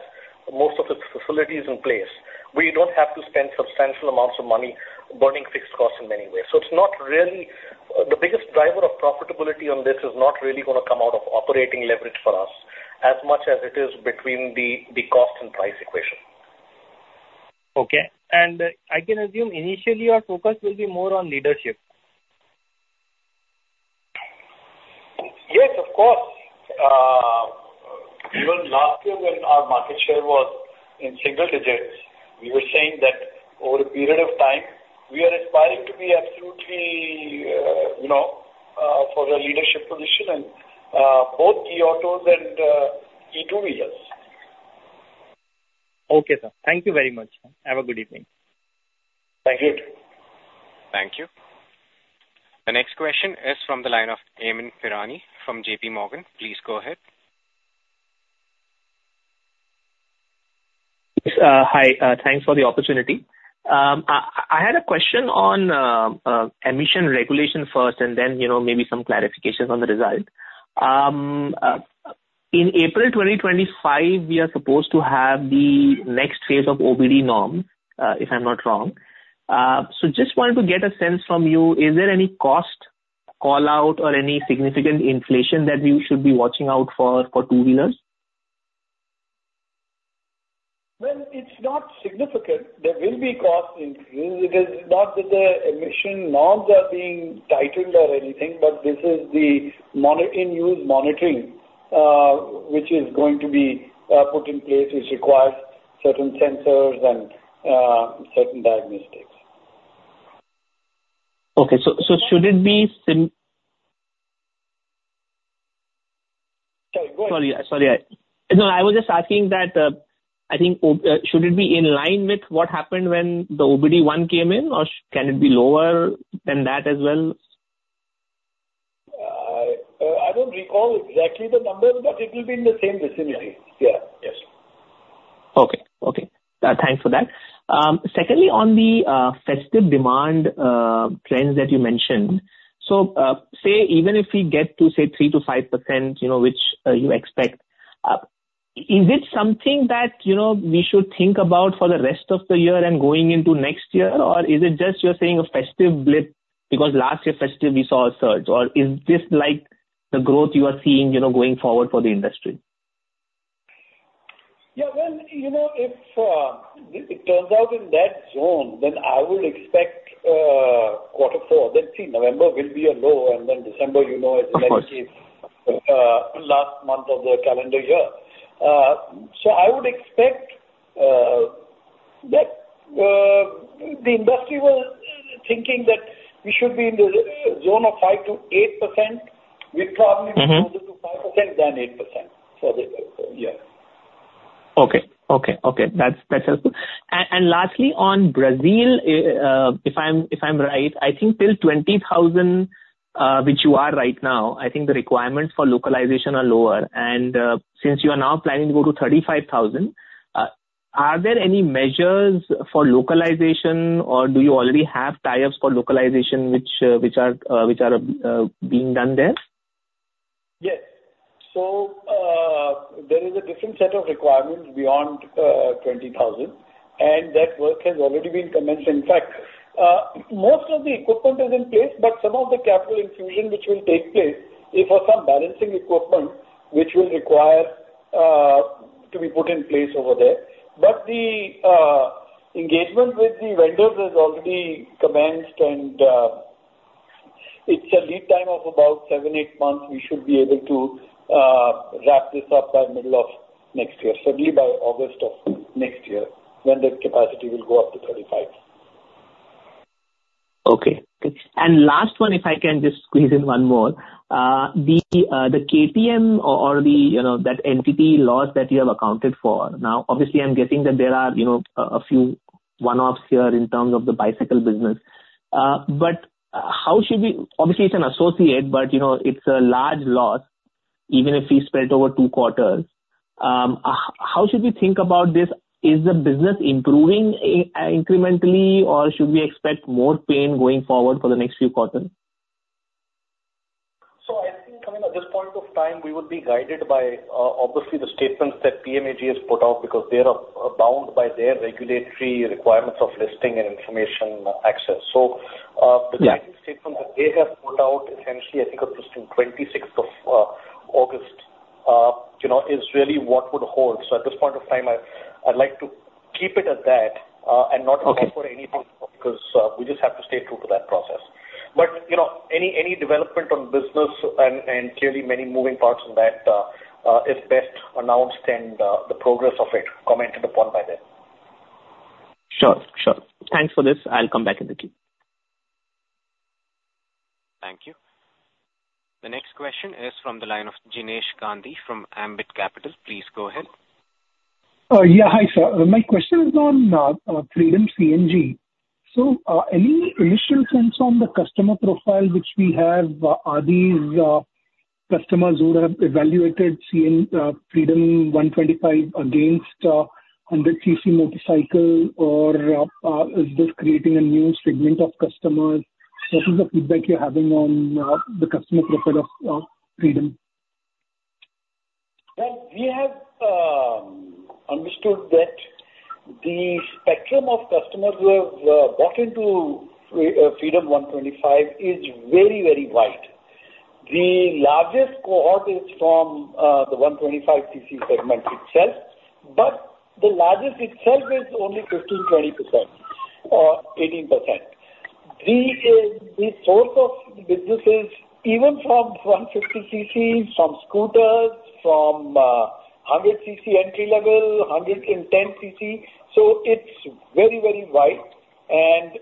most of its facilities in place, we don't have to spend substantial amounts of money burning fixed costs in many ways. So it's not really. The biggest driver of profitability on this is not really going to come out of operating leverage for us, as much as it is between the cost and price equation. Okay, and I can assume initially your focus will be more on leadership. Yes, of course. Even last year when our market share was in single digits, we were saying that over a period of time, we are aspiring to be absolutely, you know, for the leadership position in both e-autos and e-two-wheelers. Okay, sir. Thank you very much. Have a good evening. Thank you. Thank you. The next question is from the line of Amyn Pirani from JPMorgan. Please go ahead. Yes, hi. Thanks for the opportunity. I had a question on emission regulation first, and then, you know, maybe some clarifications on the result. In April 2025, we are supposed to have the next phase of OBD norm, if I'm not wrong. So just wanted to get a sense from you, is there any cost call-out or any significant inflation that we should be watching out for, for two-wheelers? It's not significant. There will be cost increase. It is not that the emission norms are being tightened or anything, but this is the in-use monitoring, which is going to be put in place, which requires certain sensors and certain diagnostics. Okay, so should it be sim. Sorry, go ahead. Sorry, sorry. No, I was just asking that. I think should it be in line with what happened when the OBD-1 came in, or can it be lower than that as well? I don't recall exactly the number, but it will be in the same vicinity. Yeah. Yes. Okay. Okay. Thanks for that. Secondly, on the festive demand trends that you mentioned. So, say, even if we get to, say, 3%-5%, you know, which you expect, is it something that, you know, we should think about for the rest of the year and going into next year? Or is it just you're saying a festive blip, because last year festive we saw a surge, or is this like the growth you are seeing, you know, going forward for the industry? Yeah, well, you know, if it turns out in that zone, then I would expect quarter four. Then see, November will be a low, and then December, you know, is likely- Of course. Last month of the calendar year. So I would expect that the industry was thinking that we should be in the zone of 5%-8%. Mm-hmm. We're probably closer to 5% than 8% for the. Okay. That's helpful. And lastly, on Brazil, if I'm right, I think till twenty thousand, which you are right now, I think the requirements for localization are lower. And since you are now planning to go to thirty-five thousand, are there any measures for localization, or do you already have tie-ups for localization which are being done there? Yes. So, there is a different set of requirements beyond twenty thousand, and that work has already been commenced. In fact, most of the equipment is in place, but some of the capital infusion which will take place is for some balancing equipment, which will require to be put in place over there. But the engagement with the vendors has already commenced, and it's a lead time of about seven, eight months. We should be able to wrap this up by middle of next year, certainly by August of next year, when the capacity will go up to 35. Okay. Good. And last one, if I can just squeeze in one more. The KTM or the, you know, that entity loss that you have accounted for. Now, obviously, I'm guessing that there are, you know, a few one-offs here in terms of the bicycle business. But how should we obviously, it's an associate, but, you know, it's a large loss, even if we spread it over two quarters. How should we think about this? Is the business improving incrementally, or should we expect more pain going forward for the next few quarters? I think, I mean, at this point of time, we would be guided by, obviously, the statements that PMAG has put out, because they are bound by their regulatory requirements of listing and information access. Yeah. So, the latest statement that they have put out, essentially, I think it was 26 of August, you know, is really what would hold. So at this point of time, I, I'd like to keep it at that, and not- Okay. -look for anything, because we just have to stay true to that process. But, you know, any development on business and clearly many moving parts on that is best announced and the progress of it commented upon by them. Sure. Sure. Thanks for this. I'll come back in the queue. Thank you. The next question is from the line of Jinesh Gandhi from Ambit Capital. Please go ahead. Yeah, hi, sir. My question is on Freedom CNG. Any initial sense on the customer profile which we have? Are these customers who have evaluated CNG Freedom 125 cc against 100 cc motorcycle, or is this creating a new segment of customers? What is the feedback you're having on the customer profile of Freedom? We have understood that the spectrum of customers who have bought into Freedom 125 cc is very, very wide. The largest cohort is from the 125 cc segment itself, but the largest itself is only 15%-20% or 18%. The source of the business is even from 150 cc, from scooters, from 100 cc entry level, 110 cc. So it's very, very wide and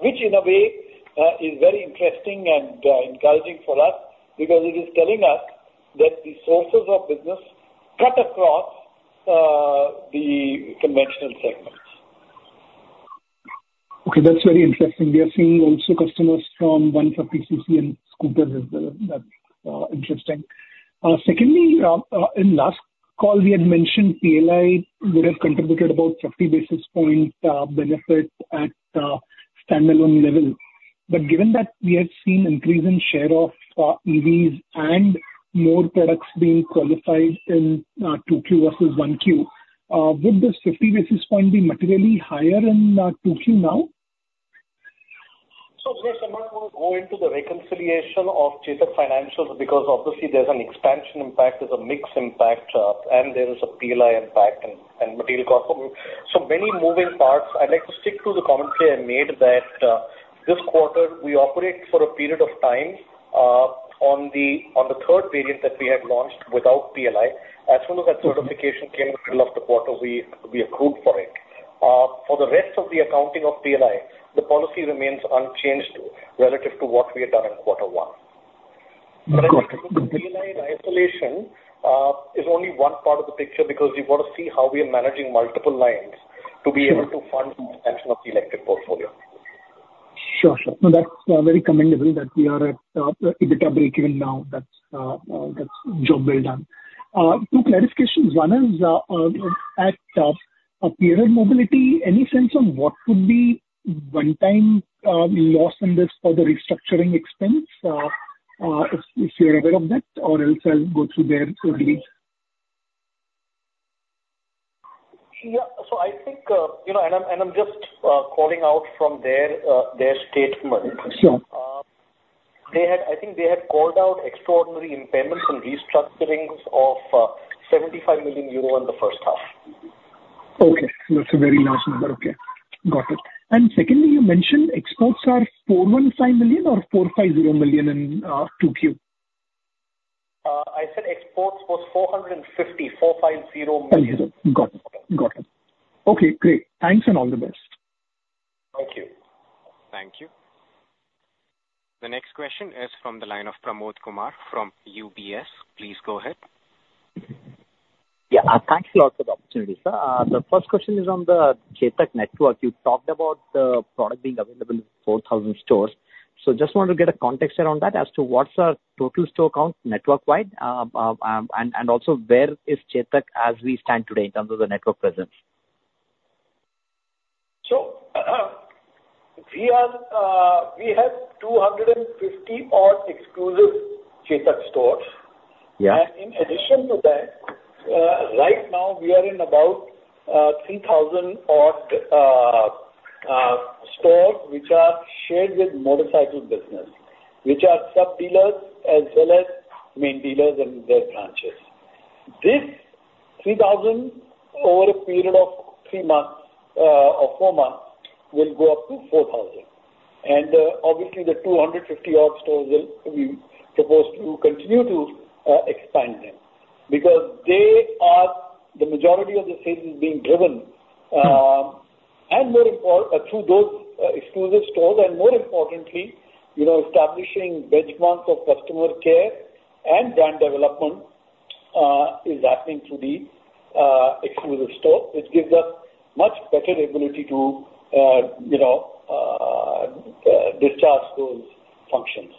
which in a way is very interesting and encouraging for us, because it is telling us that the sources of business cut across the conventional segments. Okay, that's very interesting. We are seeing also customers from 150 cc and scooters. Is that interesting? Secondly, in last call, we had mentioned PLI would have contributed about 50 basis points benefit at standalone level. But given that we have seen increase in share of EVs and more products being qualified in 2Q versus 1Q, would this 50 basis points be materially higher in 2Q now? Yes, I'm not going to go into the reconciliation of Chetak financials because obviously there's an expansion impact, there's a mix impact, and there is a PLI impact and material cost. Many moving parts. I'd like to stick to the commentary I made that this quarter we operate for a period of time on the third variant that we have launched without PLI. As soon as that certification came in the middle of the quarter, we approved for it. For the rest of the accounting of PLI, the policy remains unchanged relative to what we had done in quarter one. Got it. The PLI allocation is only one part of the picture because you've got to see how we are managing multiple lines to be able to fund the expansion of the electric portfolio. Sure, sure. No, that's very commendable that we are at EBITDA breakeven now. That's job well done. Two clarifications. One is at Pierer Mobility, any sense on what could be one-time loss in this for the restructuring expense? If you're aware of that, or else I'll go through their filings. Yeah. So I think, you know, and I'm just calling out from their statement. Sure. I think they had called out extraordinary impairments and restructurings of 75 million euro in the first half. Okay. That's a very large number. Okay, got it. And secondly, you mentioned exports are 415 million or 450 million in 2Q? I said exports was 450, 450 million. Got it. Got it. Okay, great. Thanks, and all the best. Thank you. Thank you. The next question is from the line of Pramod Kumar from UBS. Please go ahead. Yeah. Thanks a lot for the opportunity, sir. The first question is on the Chetak network. You talked about the product being available in 4,000 stores. So just want to get a context around that as to what's our total store count network-wide, and also where is Chetak as we stand today in terms of the network presence? We are, we have 250-odd exclusive Chetak stores. Yeah. And in addition to that, right now we are in about 3,000-odd stores which are shared with motorcycle business, which are sub-dealers as well as main dealers and their branches. This 3,000, over a period of three months or four months, will go up to 4,000. And obviously, the 250-odd stores will be supposed to continue to expand them. Because they are the majority of the sales is being driven, and more important, through those exclusive stores, and more importantly, you know, establishing benchmarks of customer care and brand development is happening through the exclusive store, which gives us much better ability to you know discharge those functions.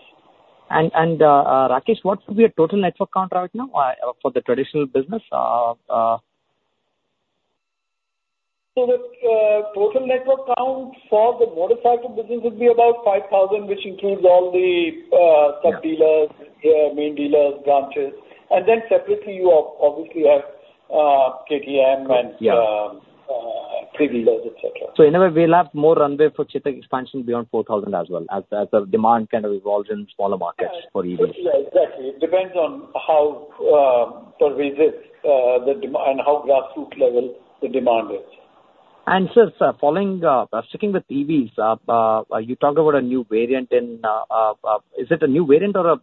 Rakesh, what would be your total network count right now for the traditional business? So the total network count for the motorcycle business would be about 5,000, which includes all the sub-dealers, the main dealers, branches, and then separately, you obviously have, KTM and- Yeah. three dealers, et cetera. So in a way, we'll have more runway for Chetak expansion beyond four thousand as well, as the demand kind of evolves in smaller markets for EVs. Yeah, exactly. It depends on how pervasive and how grassroots level the demand is. Sir, following sticking with EVs, you talked about a new variant in. Is it a new variant or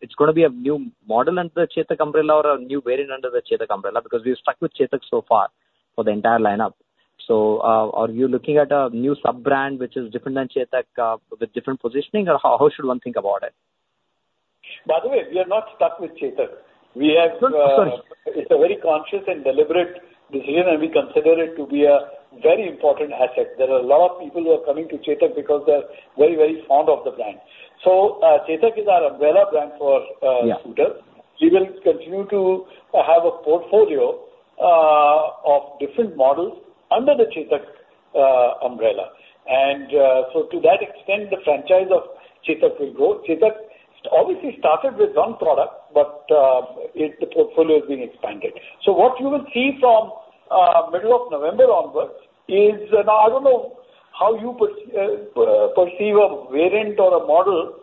it's gonna be a new model under the Chetak umbrella or a new variant under the Chetak umbrella? Because we've stuck with Chetak so far for the entire lineup. Are you looking at a new sub-brand which is different than Chetak with different positioning, or how should one think about it? By the way, we are not stuck with Chetak. We have, No, sorry. It's a very conscious and deliberate decision, and we consider it to be a very important asset. There are a lot of people who are coming to Chetak because they're very, very fond of the brand. So, Chetak is our umbrella brand for, Yeah. Scooters. We will continue to have a portfolio of different models under the Chetak umbrella. So to that extent, the franchise of Chetak will grow. Chetak obviously started with one product, but the portfolio has been expanded. So what you will see from middle of November onwards is, now, I don't know how you perceive a variant or a model,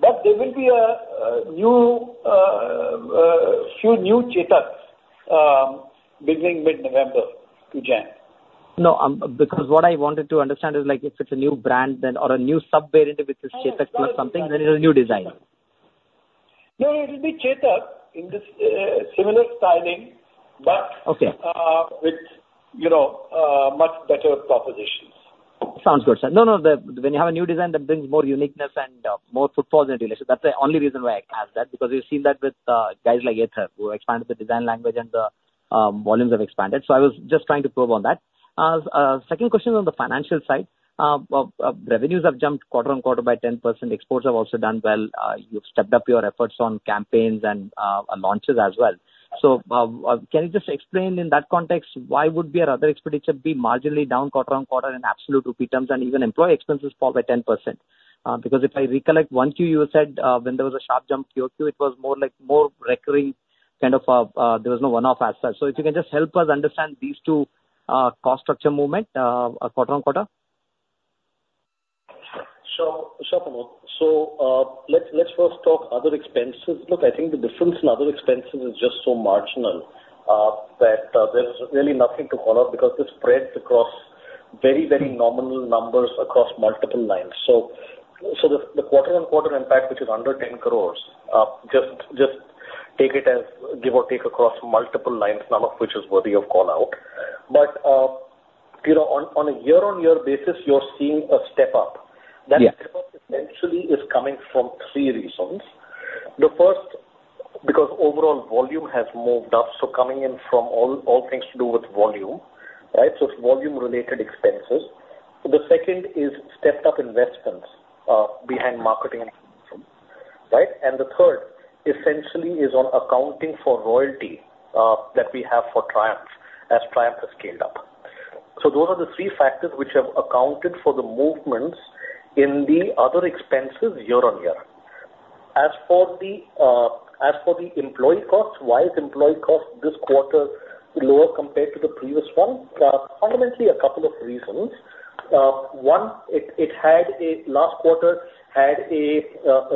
but there will be a few new Chetaks between mid-November to Jan. No, because what I wanted to understand is, like, if it's a new brand then, or a new sub-variant, which is Chetak plus something- No, it's not a new brand. Then it's a new design. No, it'll be Chetak in this, similar styling, but- Okay. with, you know, much better propositions. Sounds good, sir. No, no, when you have a new design, that brings more uniqueness and more footfalls and registrations. That's the only reason why I asked that, because we've seen that with guys like Ather, who expanded the design language and the volumes have expanded. So I was just trying to probe on that. Second question on the financial side. Revenues have jumped quarter on quarter by 10%. Exports have also done well. You've stepped up your efforts on campaigns and launches as well. So, can you just explain in that context, why would your other expenditure be marginally down quarter on quarter in absolute rupee terms, and even employee expenses fall by 10%? Because if I recollect, 1Q, you said, when there was a sharp jump QoQ, it was more like more recurring, kind of, there was no one-off as such. So if you can just help us understand these two, cost structure movement, quarter on quarter. Sure, Pramod. So, let's first talk other expenses. Look, I think the difference in other expenses is just so marginal that there's really nothing to call out, because this spreads across very, very nominal numbers across multiple lines. So, the quarter on quarter impact, which is under 10 crores, just take it as give or take across multiple lines, none of which is worthy of call-out. But, you know, on a year-on-year basis, you're seeing a step-up. Yeah. That step-up essentially is coming from three reasons. Overall volume has moved up, so coming in from all things to do with volume, right? So it's volume-related expenses. The second is stepped up investments behind marketing, right? And the third, essentially, is on accounting for royalty that we have for Triumph, as Triumph has scaled up. So those are the three factors which have accounted for the movements in the other expenses year on year. As for the employee costs, why is employee cost this quarter lower compared to the previous one? Fundamentally, a couple of reasons. One, it had a last quarter had a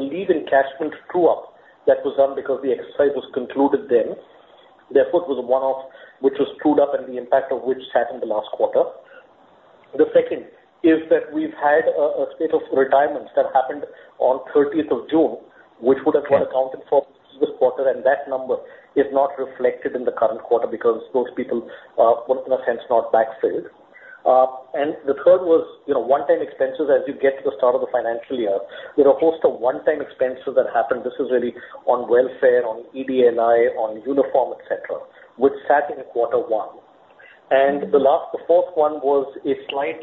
leave encashment true up that was done because the exercise was concluded then. Therefore, it was a one-off, which was trued up, and the impact of which happened the last quarter. The second is that we've had a state of retirements that happened on thirtieth of June, which would have been accounted for this quarter, and that number is not reflected in the current quarter because those people were in a sense not backfilled, and the third was, you know, one-time expenses as you get to the start of the financial year. There are a host of one-time expenses that happened. This is really on welfare, on EDLI, on uniform, et cetera, which sat in quarter one, and the last, the fourth one was a slight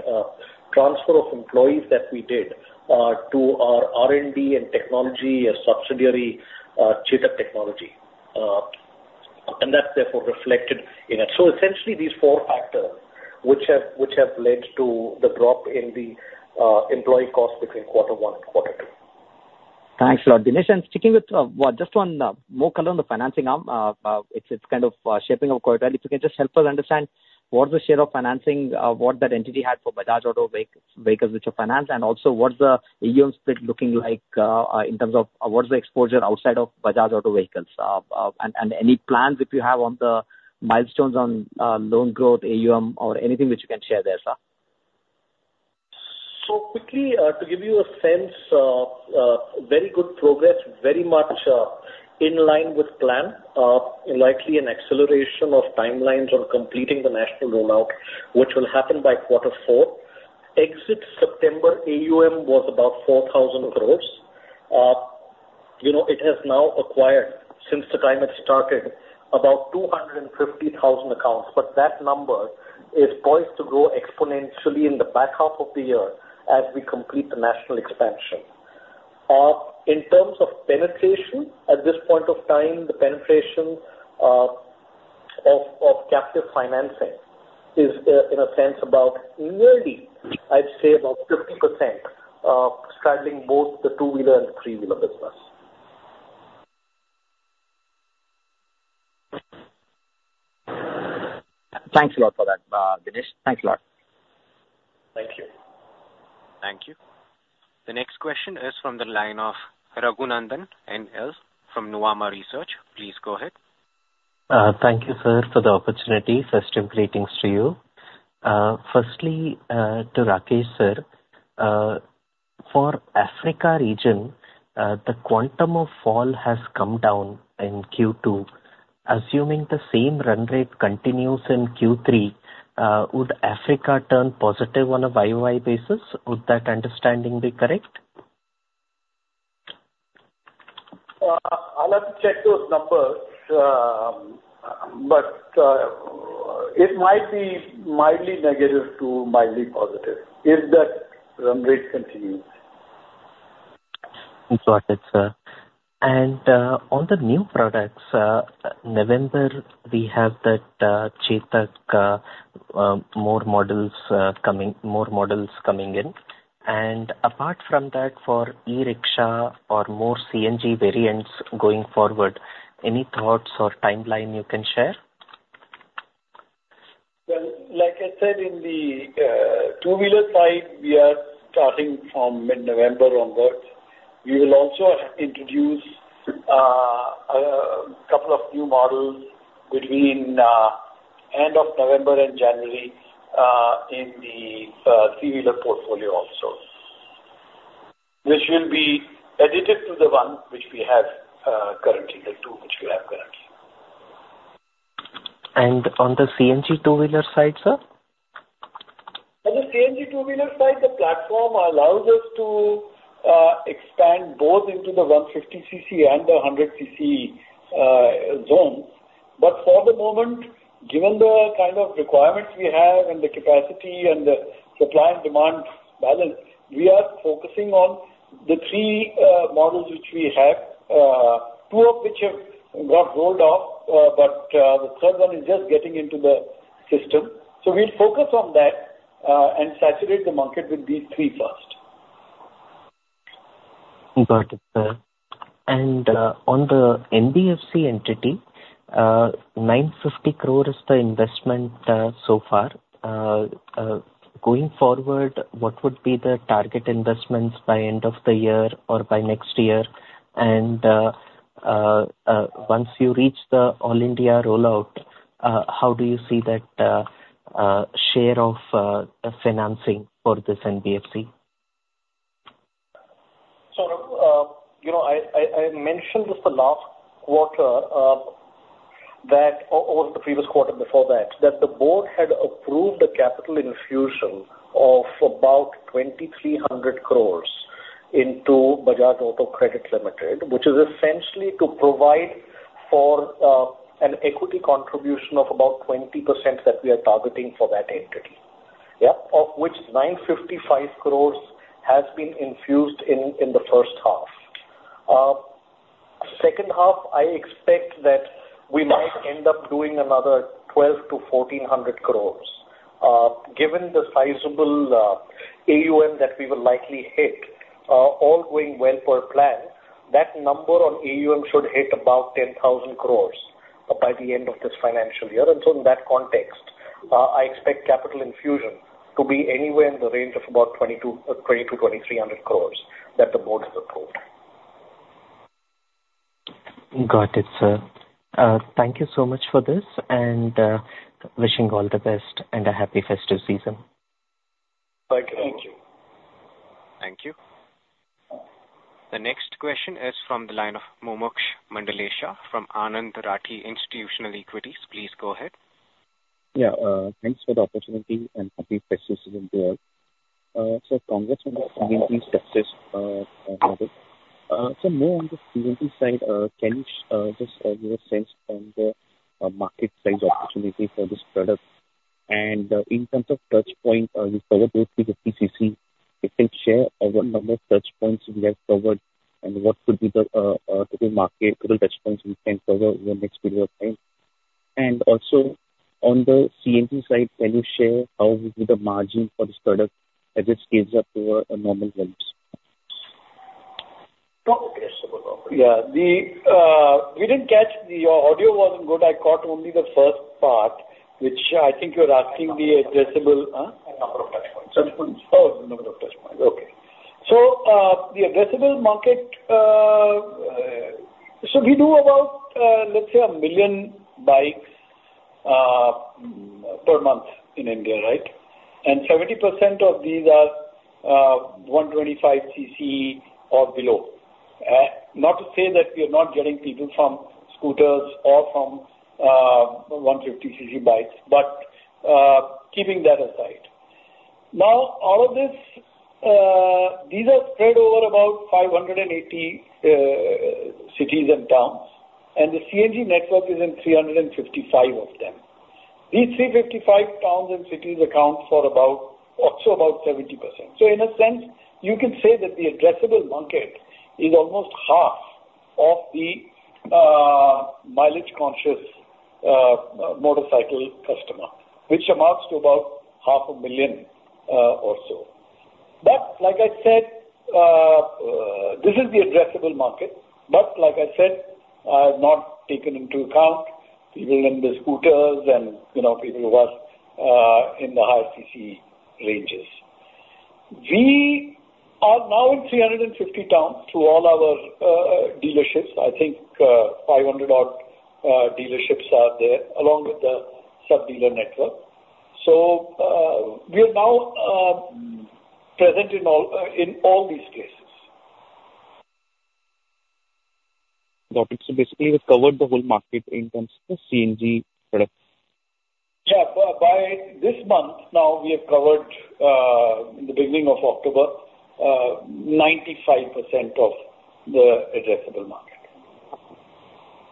transfer of employees that we did to our R&D and technology subsidiary, Chetak Technology, and that's therefore reflected in it. So essentially these four factors, which have led to the drop in the employee cost between quarter one and quarter two. Thanks a lot, Dinesh. And sticking with what just one more color on the financing arm. It's kind of shaping up quite well. If you can just help us understand, what's the share of financing what that entity had for Bajaj Auto vehicles, which are financed, and also what's the AUM split looking like in terms of what's the exposure outside of Bajaj Auto vehicles? And any plans if you have on the milestones on loan growth, AUM, or anything which you can share there, sir. Quickly, to give you a sense, very good progress, very much in line with plan. Likely an acceleration of timelines on completing the national rollout, which will happen by quarter four. Exit September, AUM was about 4,000 crores. You know, it has now acquired, since the time it started, about 250,000 accounts, but that number is poised to grow exponentially in the back half of the year as we complete the national expansion. In terms of penetration, at this point of time, the penetration of captive financing is, in a sense, about nearly, I'd say, about 50%, straddling both the two-wheeler and three-wheeler business. Thanks a lot for that, Dinesh. Thanks a lot. Thank you. Thank you. The next question is from the line of Raghunandhan N.L. from Nuvama Research. Please go ahead. Thank you, sir, for the opportunity. First, greetings to you. Firstly, to Rakesh, sir, for Africa region, the quantum of fall has come down in Q2. Assuming the same run rate continues in Q3, would Africa turn positive on a YOY basis? Would that understanding be correct? I'll have to check those numbers, but it might be mildly negative to mildly positive if that run rate continues. Got it, sir. And on the new products, November, we have that Chetak, more models coming in. And apart from that, for e-rickshaw or more CNG variants going forward, any thoughts or timeline you can share? Well, like I said, in the two-wheeler side, we are starting from mid-November onwards. We will also introduce a couple of new models between end of November and January in the three-wheeler portfolio also. Which will be additive to the one which we have currently, the two which we have currently. And on the CNG two-wheeler side, sir? On the CNG two-wheeler side, the platform allows us to expand both into the 150 cc and the 100 cc zones. But for the moment, given the kind of requirements we have and the capacity and the supply and demand balance, we are focusing on the three models which we have, two of which have got rolled off, but the third one is just getting into the system. So we'll focus on that and saturate the market with these three first. Got it, sir. And on the NBFC entity, 950 crore is the investment so far. Going forward, what would be the target investments by end of the year or by next year? And once you reach the all-India rollout, how do you see that share of the financing for this NBFC? You know, I mentioned this the last quarter, that or the previous quarter before that, that the board had approved a capital infusion of about 2,300 crores into Bajaj Auto Credit Limited, which is essentially to provide for an equity contribution of about 20% that we are targeting for that entity. Yeah, of which 955 crores has been infused in the first half. Second half, I expect that we might end up doing another 1,200 crores to 1,400 crores. Given the sizable AUM that we will likely hit, all going well per plan, that number on AUM should hit about 10,000 crores by the end of this financial year. And so in that context, I expect capital infusion to be anywhere in the range of about 2,000 crores-2,300 crores that the board has approved. Got it, sir. Thank you so much for this, and wishing you all the best and a happy festive season. Thank you. Thank you. The next question is from the line of Mumuksh Mandlesha from Anand Rathi Institutional Equities. Please go ahead. Yeah, thanks for the opportunity, and happy festive season to you all. So congrats on the success. So more on the CNG side, can you just give a sense on the market size opportunity for this product? And, in terms of touch point, you covered both the fifty cc, you can share over number of touch points we have covered and what could be the total market, total touch points we can cover over the next period of time. And also, on the CNG side, can you share how will be the margin for this product as it scales up to a normal levels? Okay, sure. Yeah. We didn't catch, the audio wasn't good. I caught only the first part, which I think you're asking the addressable, Number of touch points. Oh, the number of touch points. Okay, so the addressable market, so we do about, let's say a million bikes, per month in India, right? And 70% of these are, 125 cc or below. Not to say that we are not getting people from scooters or from, 150 cc bikes, but, keeping that aside. Now, all of this, these are spread over about 580, cities and towns, and the CNG network is in 355 of them. These 355 towns and cities account for about, also about 70%. So in a sense, you can say that the addressable market is almost half of the, mileage conscious, motorcycle customer, which amounts to about 500,000 or so. But like I said, this is the addressable market, but like I said, I've not taken into account people in the scooters and, you know, people who are in the higher cc ranges. We are now in 350 towns through all our dealerships. I think five hundred odd dealerships are there, along with the sub-dealer network. So, we are now present in all these cases. Got it. So basically, we've covered the whole market in terms of the CNG product. Yeah. By this month, now we have covered, in the beginning of October, 95% of the addressable market.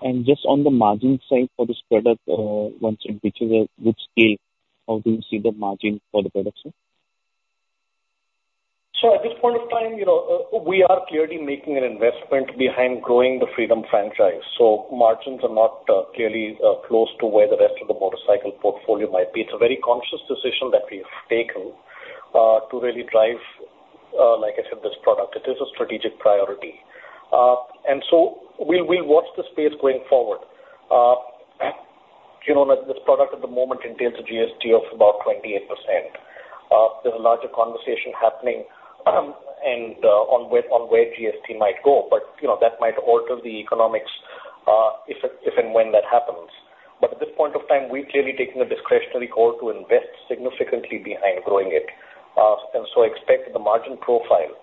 And just on the margin side for this product, once it reaches a good scale, how do you see the margin for the product, sir? So at this point of time, you know, we are clearly making an investment behind growing the Freedom franchise, so margins are not, clearly, close to where the rest of the motorcycle portfolio might be. It's a very conscious decision that we've taken, to really drive, like I said, this product. It is a strategic priority. And so we'll watch the space going forward. You know, like this product at the moment contains a GST of about 28%. There's a larger conversation happening, and on where GST might go, but you know, that might alter the economics, if it, if and when that happens. But at this point of time, we've clearly taken a discretionary call to invest significantly behind growing it. And so expect the margin profile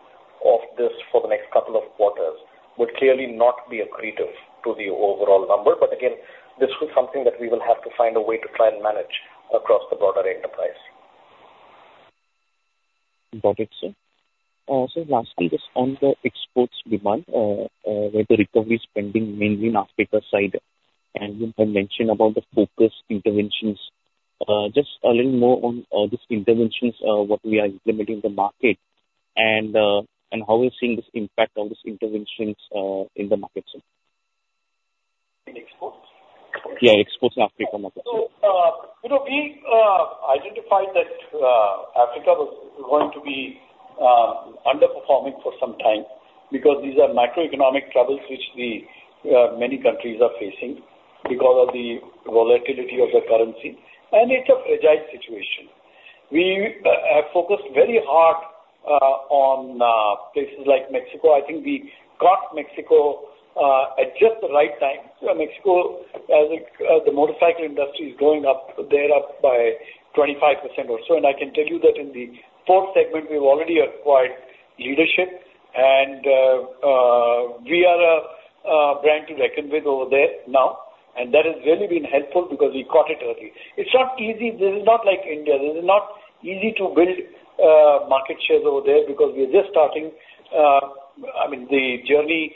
of this for the next couple of quarters would clearly not be accretive to the overall number. But again, this is something that we will have to find a way to try and manage across the broader enterprise. Got it, sir. So lastly, just on the exports demand, where the recovery is pending mainly in Africa side, and you have mentioned about the focused interventions. Just a little more on these interventions, what we are implementing in the market and how we're seeing this impact on these interventions in the market, sir. In exports? Yeah, exports in Africa market. So, you know, we identified that Africa was going to be underperforming for some time because these are macroeconomic troubles which many countries are facing because of the volatility of the currency, and it's a fragile situation. We have focused very hard on places like Mexico. I think we caught Mexico at just the right time. Mexico, the motorcycle industry is going up. They're up by 25% or so. And I can tell you that in the fourth segment, we've already acquired leadership and a brand to reckon with over there now, and that has really been helpful because we caught it early. It's not easy. This is not like India. This is not easy to build market shares over there because we are just starting. I mean, the journey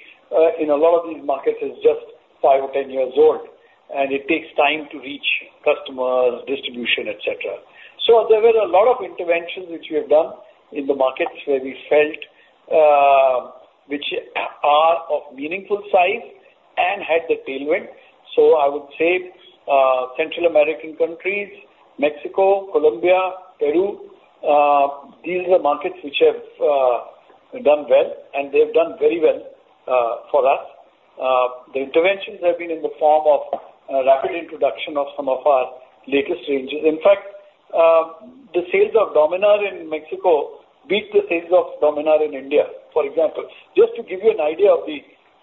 in a lot of these markets is just five or 10 years old, and it takes time to reach customers, distribution, et cetera, so there were a lot of interventions which we have done in the markets where we felt, which are of meaningful size and had the tailwind, so I would say, Central American countries, Mexico, Colombia, Peru, these are markets which have done well, and they've done very well for us. The interventions have been in the form of rapid introduction of some of our latest ranges. In fact, the sales of Dominar in Mexico beat the sales of Dominar in India, for example, just to give you an idea of the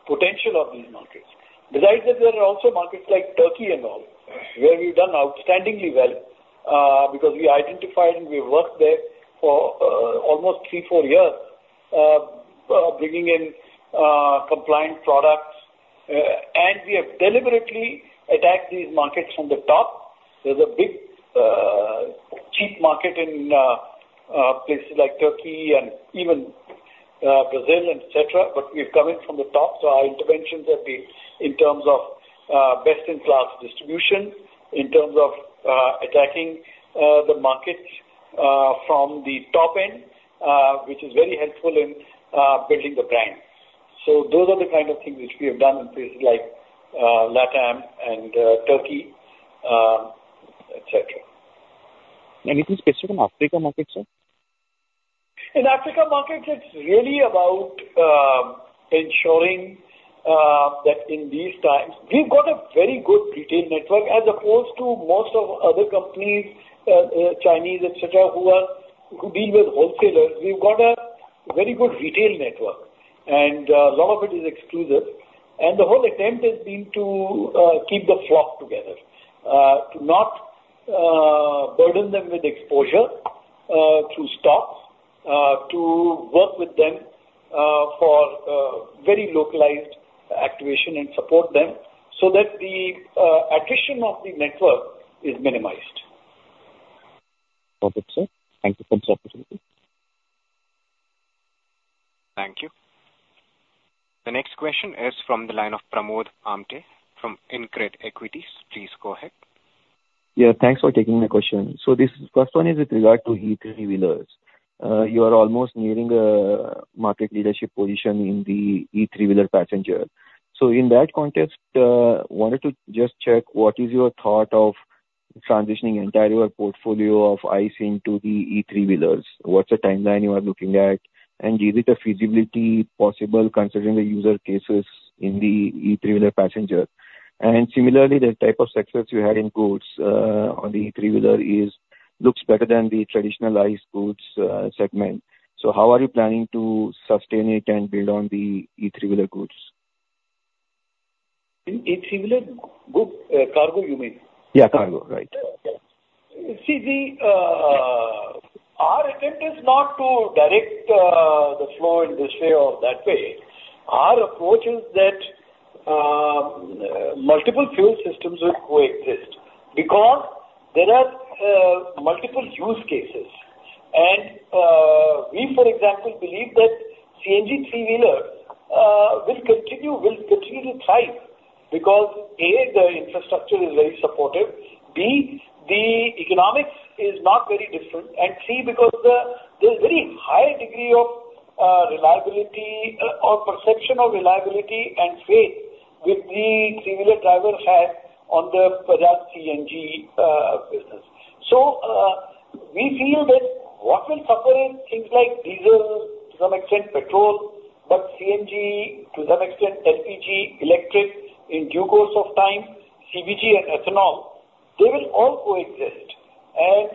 potential of these markets. Besides that, there are also markets like Turkey and all, where we've done outstandingly well, because we identified and we worked there for almost three, four years, bringing in compliant products, and we have deliberately attacked these markets from the top. There's a big cheap market in places like Turkey and even Brazil, et cetera, but we've come in from the top. So our interventions have been in terms of best-in-class distribution, in terms of attacking the markets from the top end, which is very helpful in building the brand. So those are the kind of things which we have done in places like LATAM and Turkey, et cetera. Anything specific on Africa markets, sir? In Africa markets, it's really about ensuring that in these times. We've got a very good retail network. As opposed to most of other companies, Chinese, et cetera, who deal with wholesalers, we've got a very good retail network, and a lot of it is exclusive. And the whole attempt has been to keep the flock together, to not burden them with exposure through stocks, to work with them for very localized activation and support them so that the attrition of the network is minimized. Perfect, sir. Thank you for this opportunity. Thank you. The next question is from the line of Pramod Amthe from InCred Equities. Please go ahead. Yeah, thanks for taking my question. So this first one is with regard to e-3-wheelers. You are almost nearing a market leadership position in the e-3-wheeler passenger. So in that context, wanted to just check what is your thought of transitioning entire your portfolio of ICE into the e-3-wheelers? What's the timeline you are looking at? And is it a feasibility possible considering the user cases in the e-3-wheeler passenger? And similarly, the type of success you had in goods, on the three-wheeler is, looks better than the traditional ICE goods, segment. So how are you planning to sustain it and build on the e-3-wheeler goods? In e-3-wheeler goods, cargo, you mean? Yeah, cargo, right. See, our attempt is not to direct the flow in this way or that way. Our approach is that multiple fuel systems will coexist because there are multiple use cases. And we, for example, believe that CNG three-wheeler will continue to thrive because, A, the infrastructure is very supportive, B, the economics is not very different, and, C, because there's very high degree of reliability or perception of reliability and faith, which the three-wheeler driver has on the Bajaj CNG business. So we feel that what will suffer is things like diesel, to some extent petrol, but CNG, to some extent LPG, electric, in due course of time, CNG and ethanol, they will all coexist. And,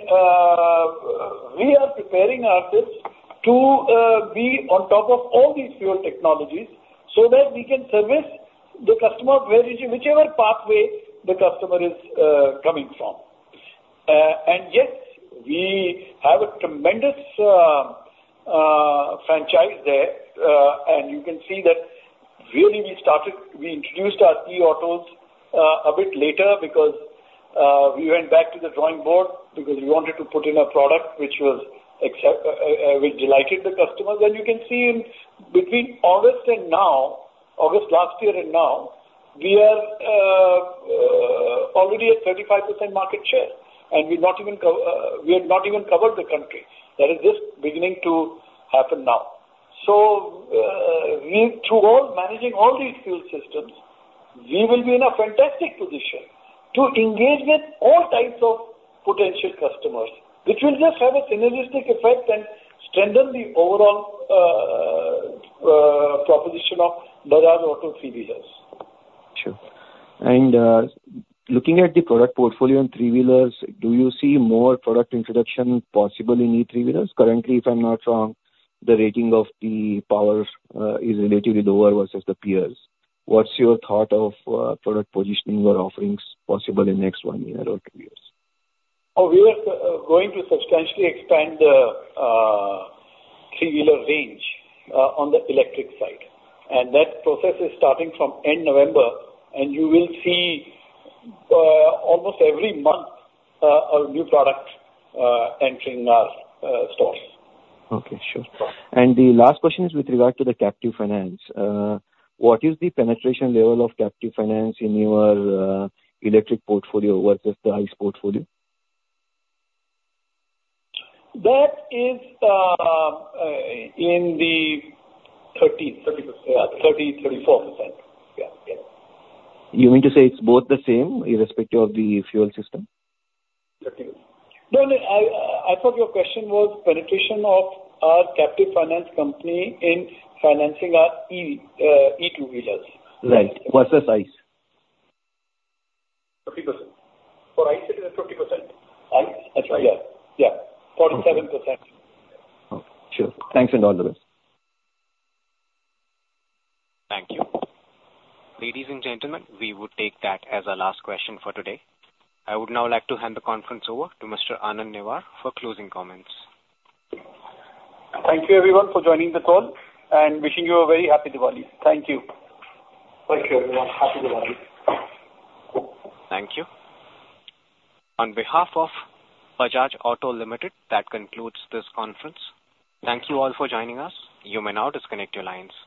we are preparing ourselves to be on top of all these fuel technologies so that we can service the customer of very whichever pathway the customer is coming from. And yes, we have a tremendous franchise there, and you can see that really we started, we introduced our e-autos a bit later because we went back to the drawing board because we wanted to put in a product which delighted the customers. And you can see in between August and now, August last year and now, we are already at 35% market share, and we've not even we have not even covered the country. That is just beginning to happen now. We, through managing all these fuel systems, will be in a fantastic position to engage with all types of potential customers, which will just have a synergistic effect and strengthen the overall proposition of Bajaj Auto three-wheelers. Sure. And, looking at the product portfolio in three-wheelers, do you see more product introduction possible in electric 3-wheelers? Currently, if I'm not wrong, the rating of the power is relatively lower versus the peers. What's your thought of product positioning or offerings possible in next one year or two years? Oh, we are going to substantially expand the three-wheeler range on the electric side, and that process is starting from end November, and you will see almost every month a new product entering our stores. Okay, sure. And the last question is with regard to the captive finance. What is the penetration level of captive finance in your electric portfolio versus the ICE portfolio? That is, in the 34%. Yeah, yeah. You mean to say it's both the same, irrespective of the fuel system? No, no, I, I thought your question was penetration of our captive finance company in financing our e-2 wheelers. Right. Versus ICE. 50%. For ICE, it is 50%. ICE? ICE. Yeah. Yeah. Okay. Forty-seven percent. Okay, sure. Thanks a lot for this. Thank you. Ladies and gentlemen, we would take that as our last question for today. I would now like to hand the conference over to Mr. Anand Newar for closing comments. Thank you, everyone, for joining the call, and wishing you a very happy Diwali. Thank you. Thank you, everyone. Happy Diwali. Thank you. On behalf of Bajaj Auto Limited, that concludes this conference. Thank you all for joining us. You may now disconnect your lines.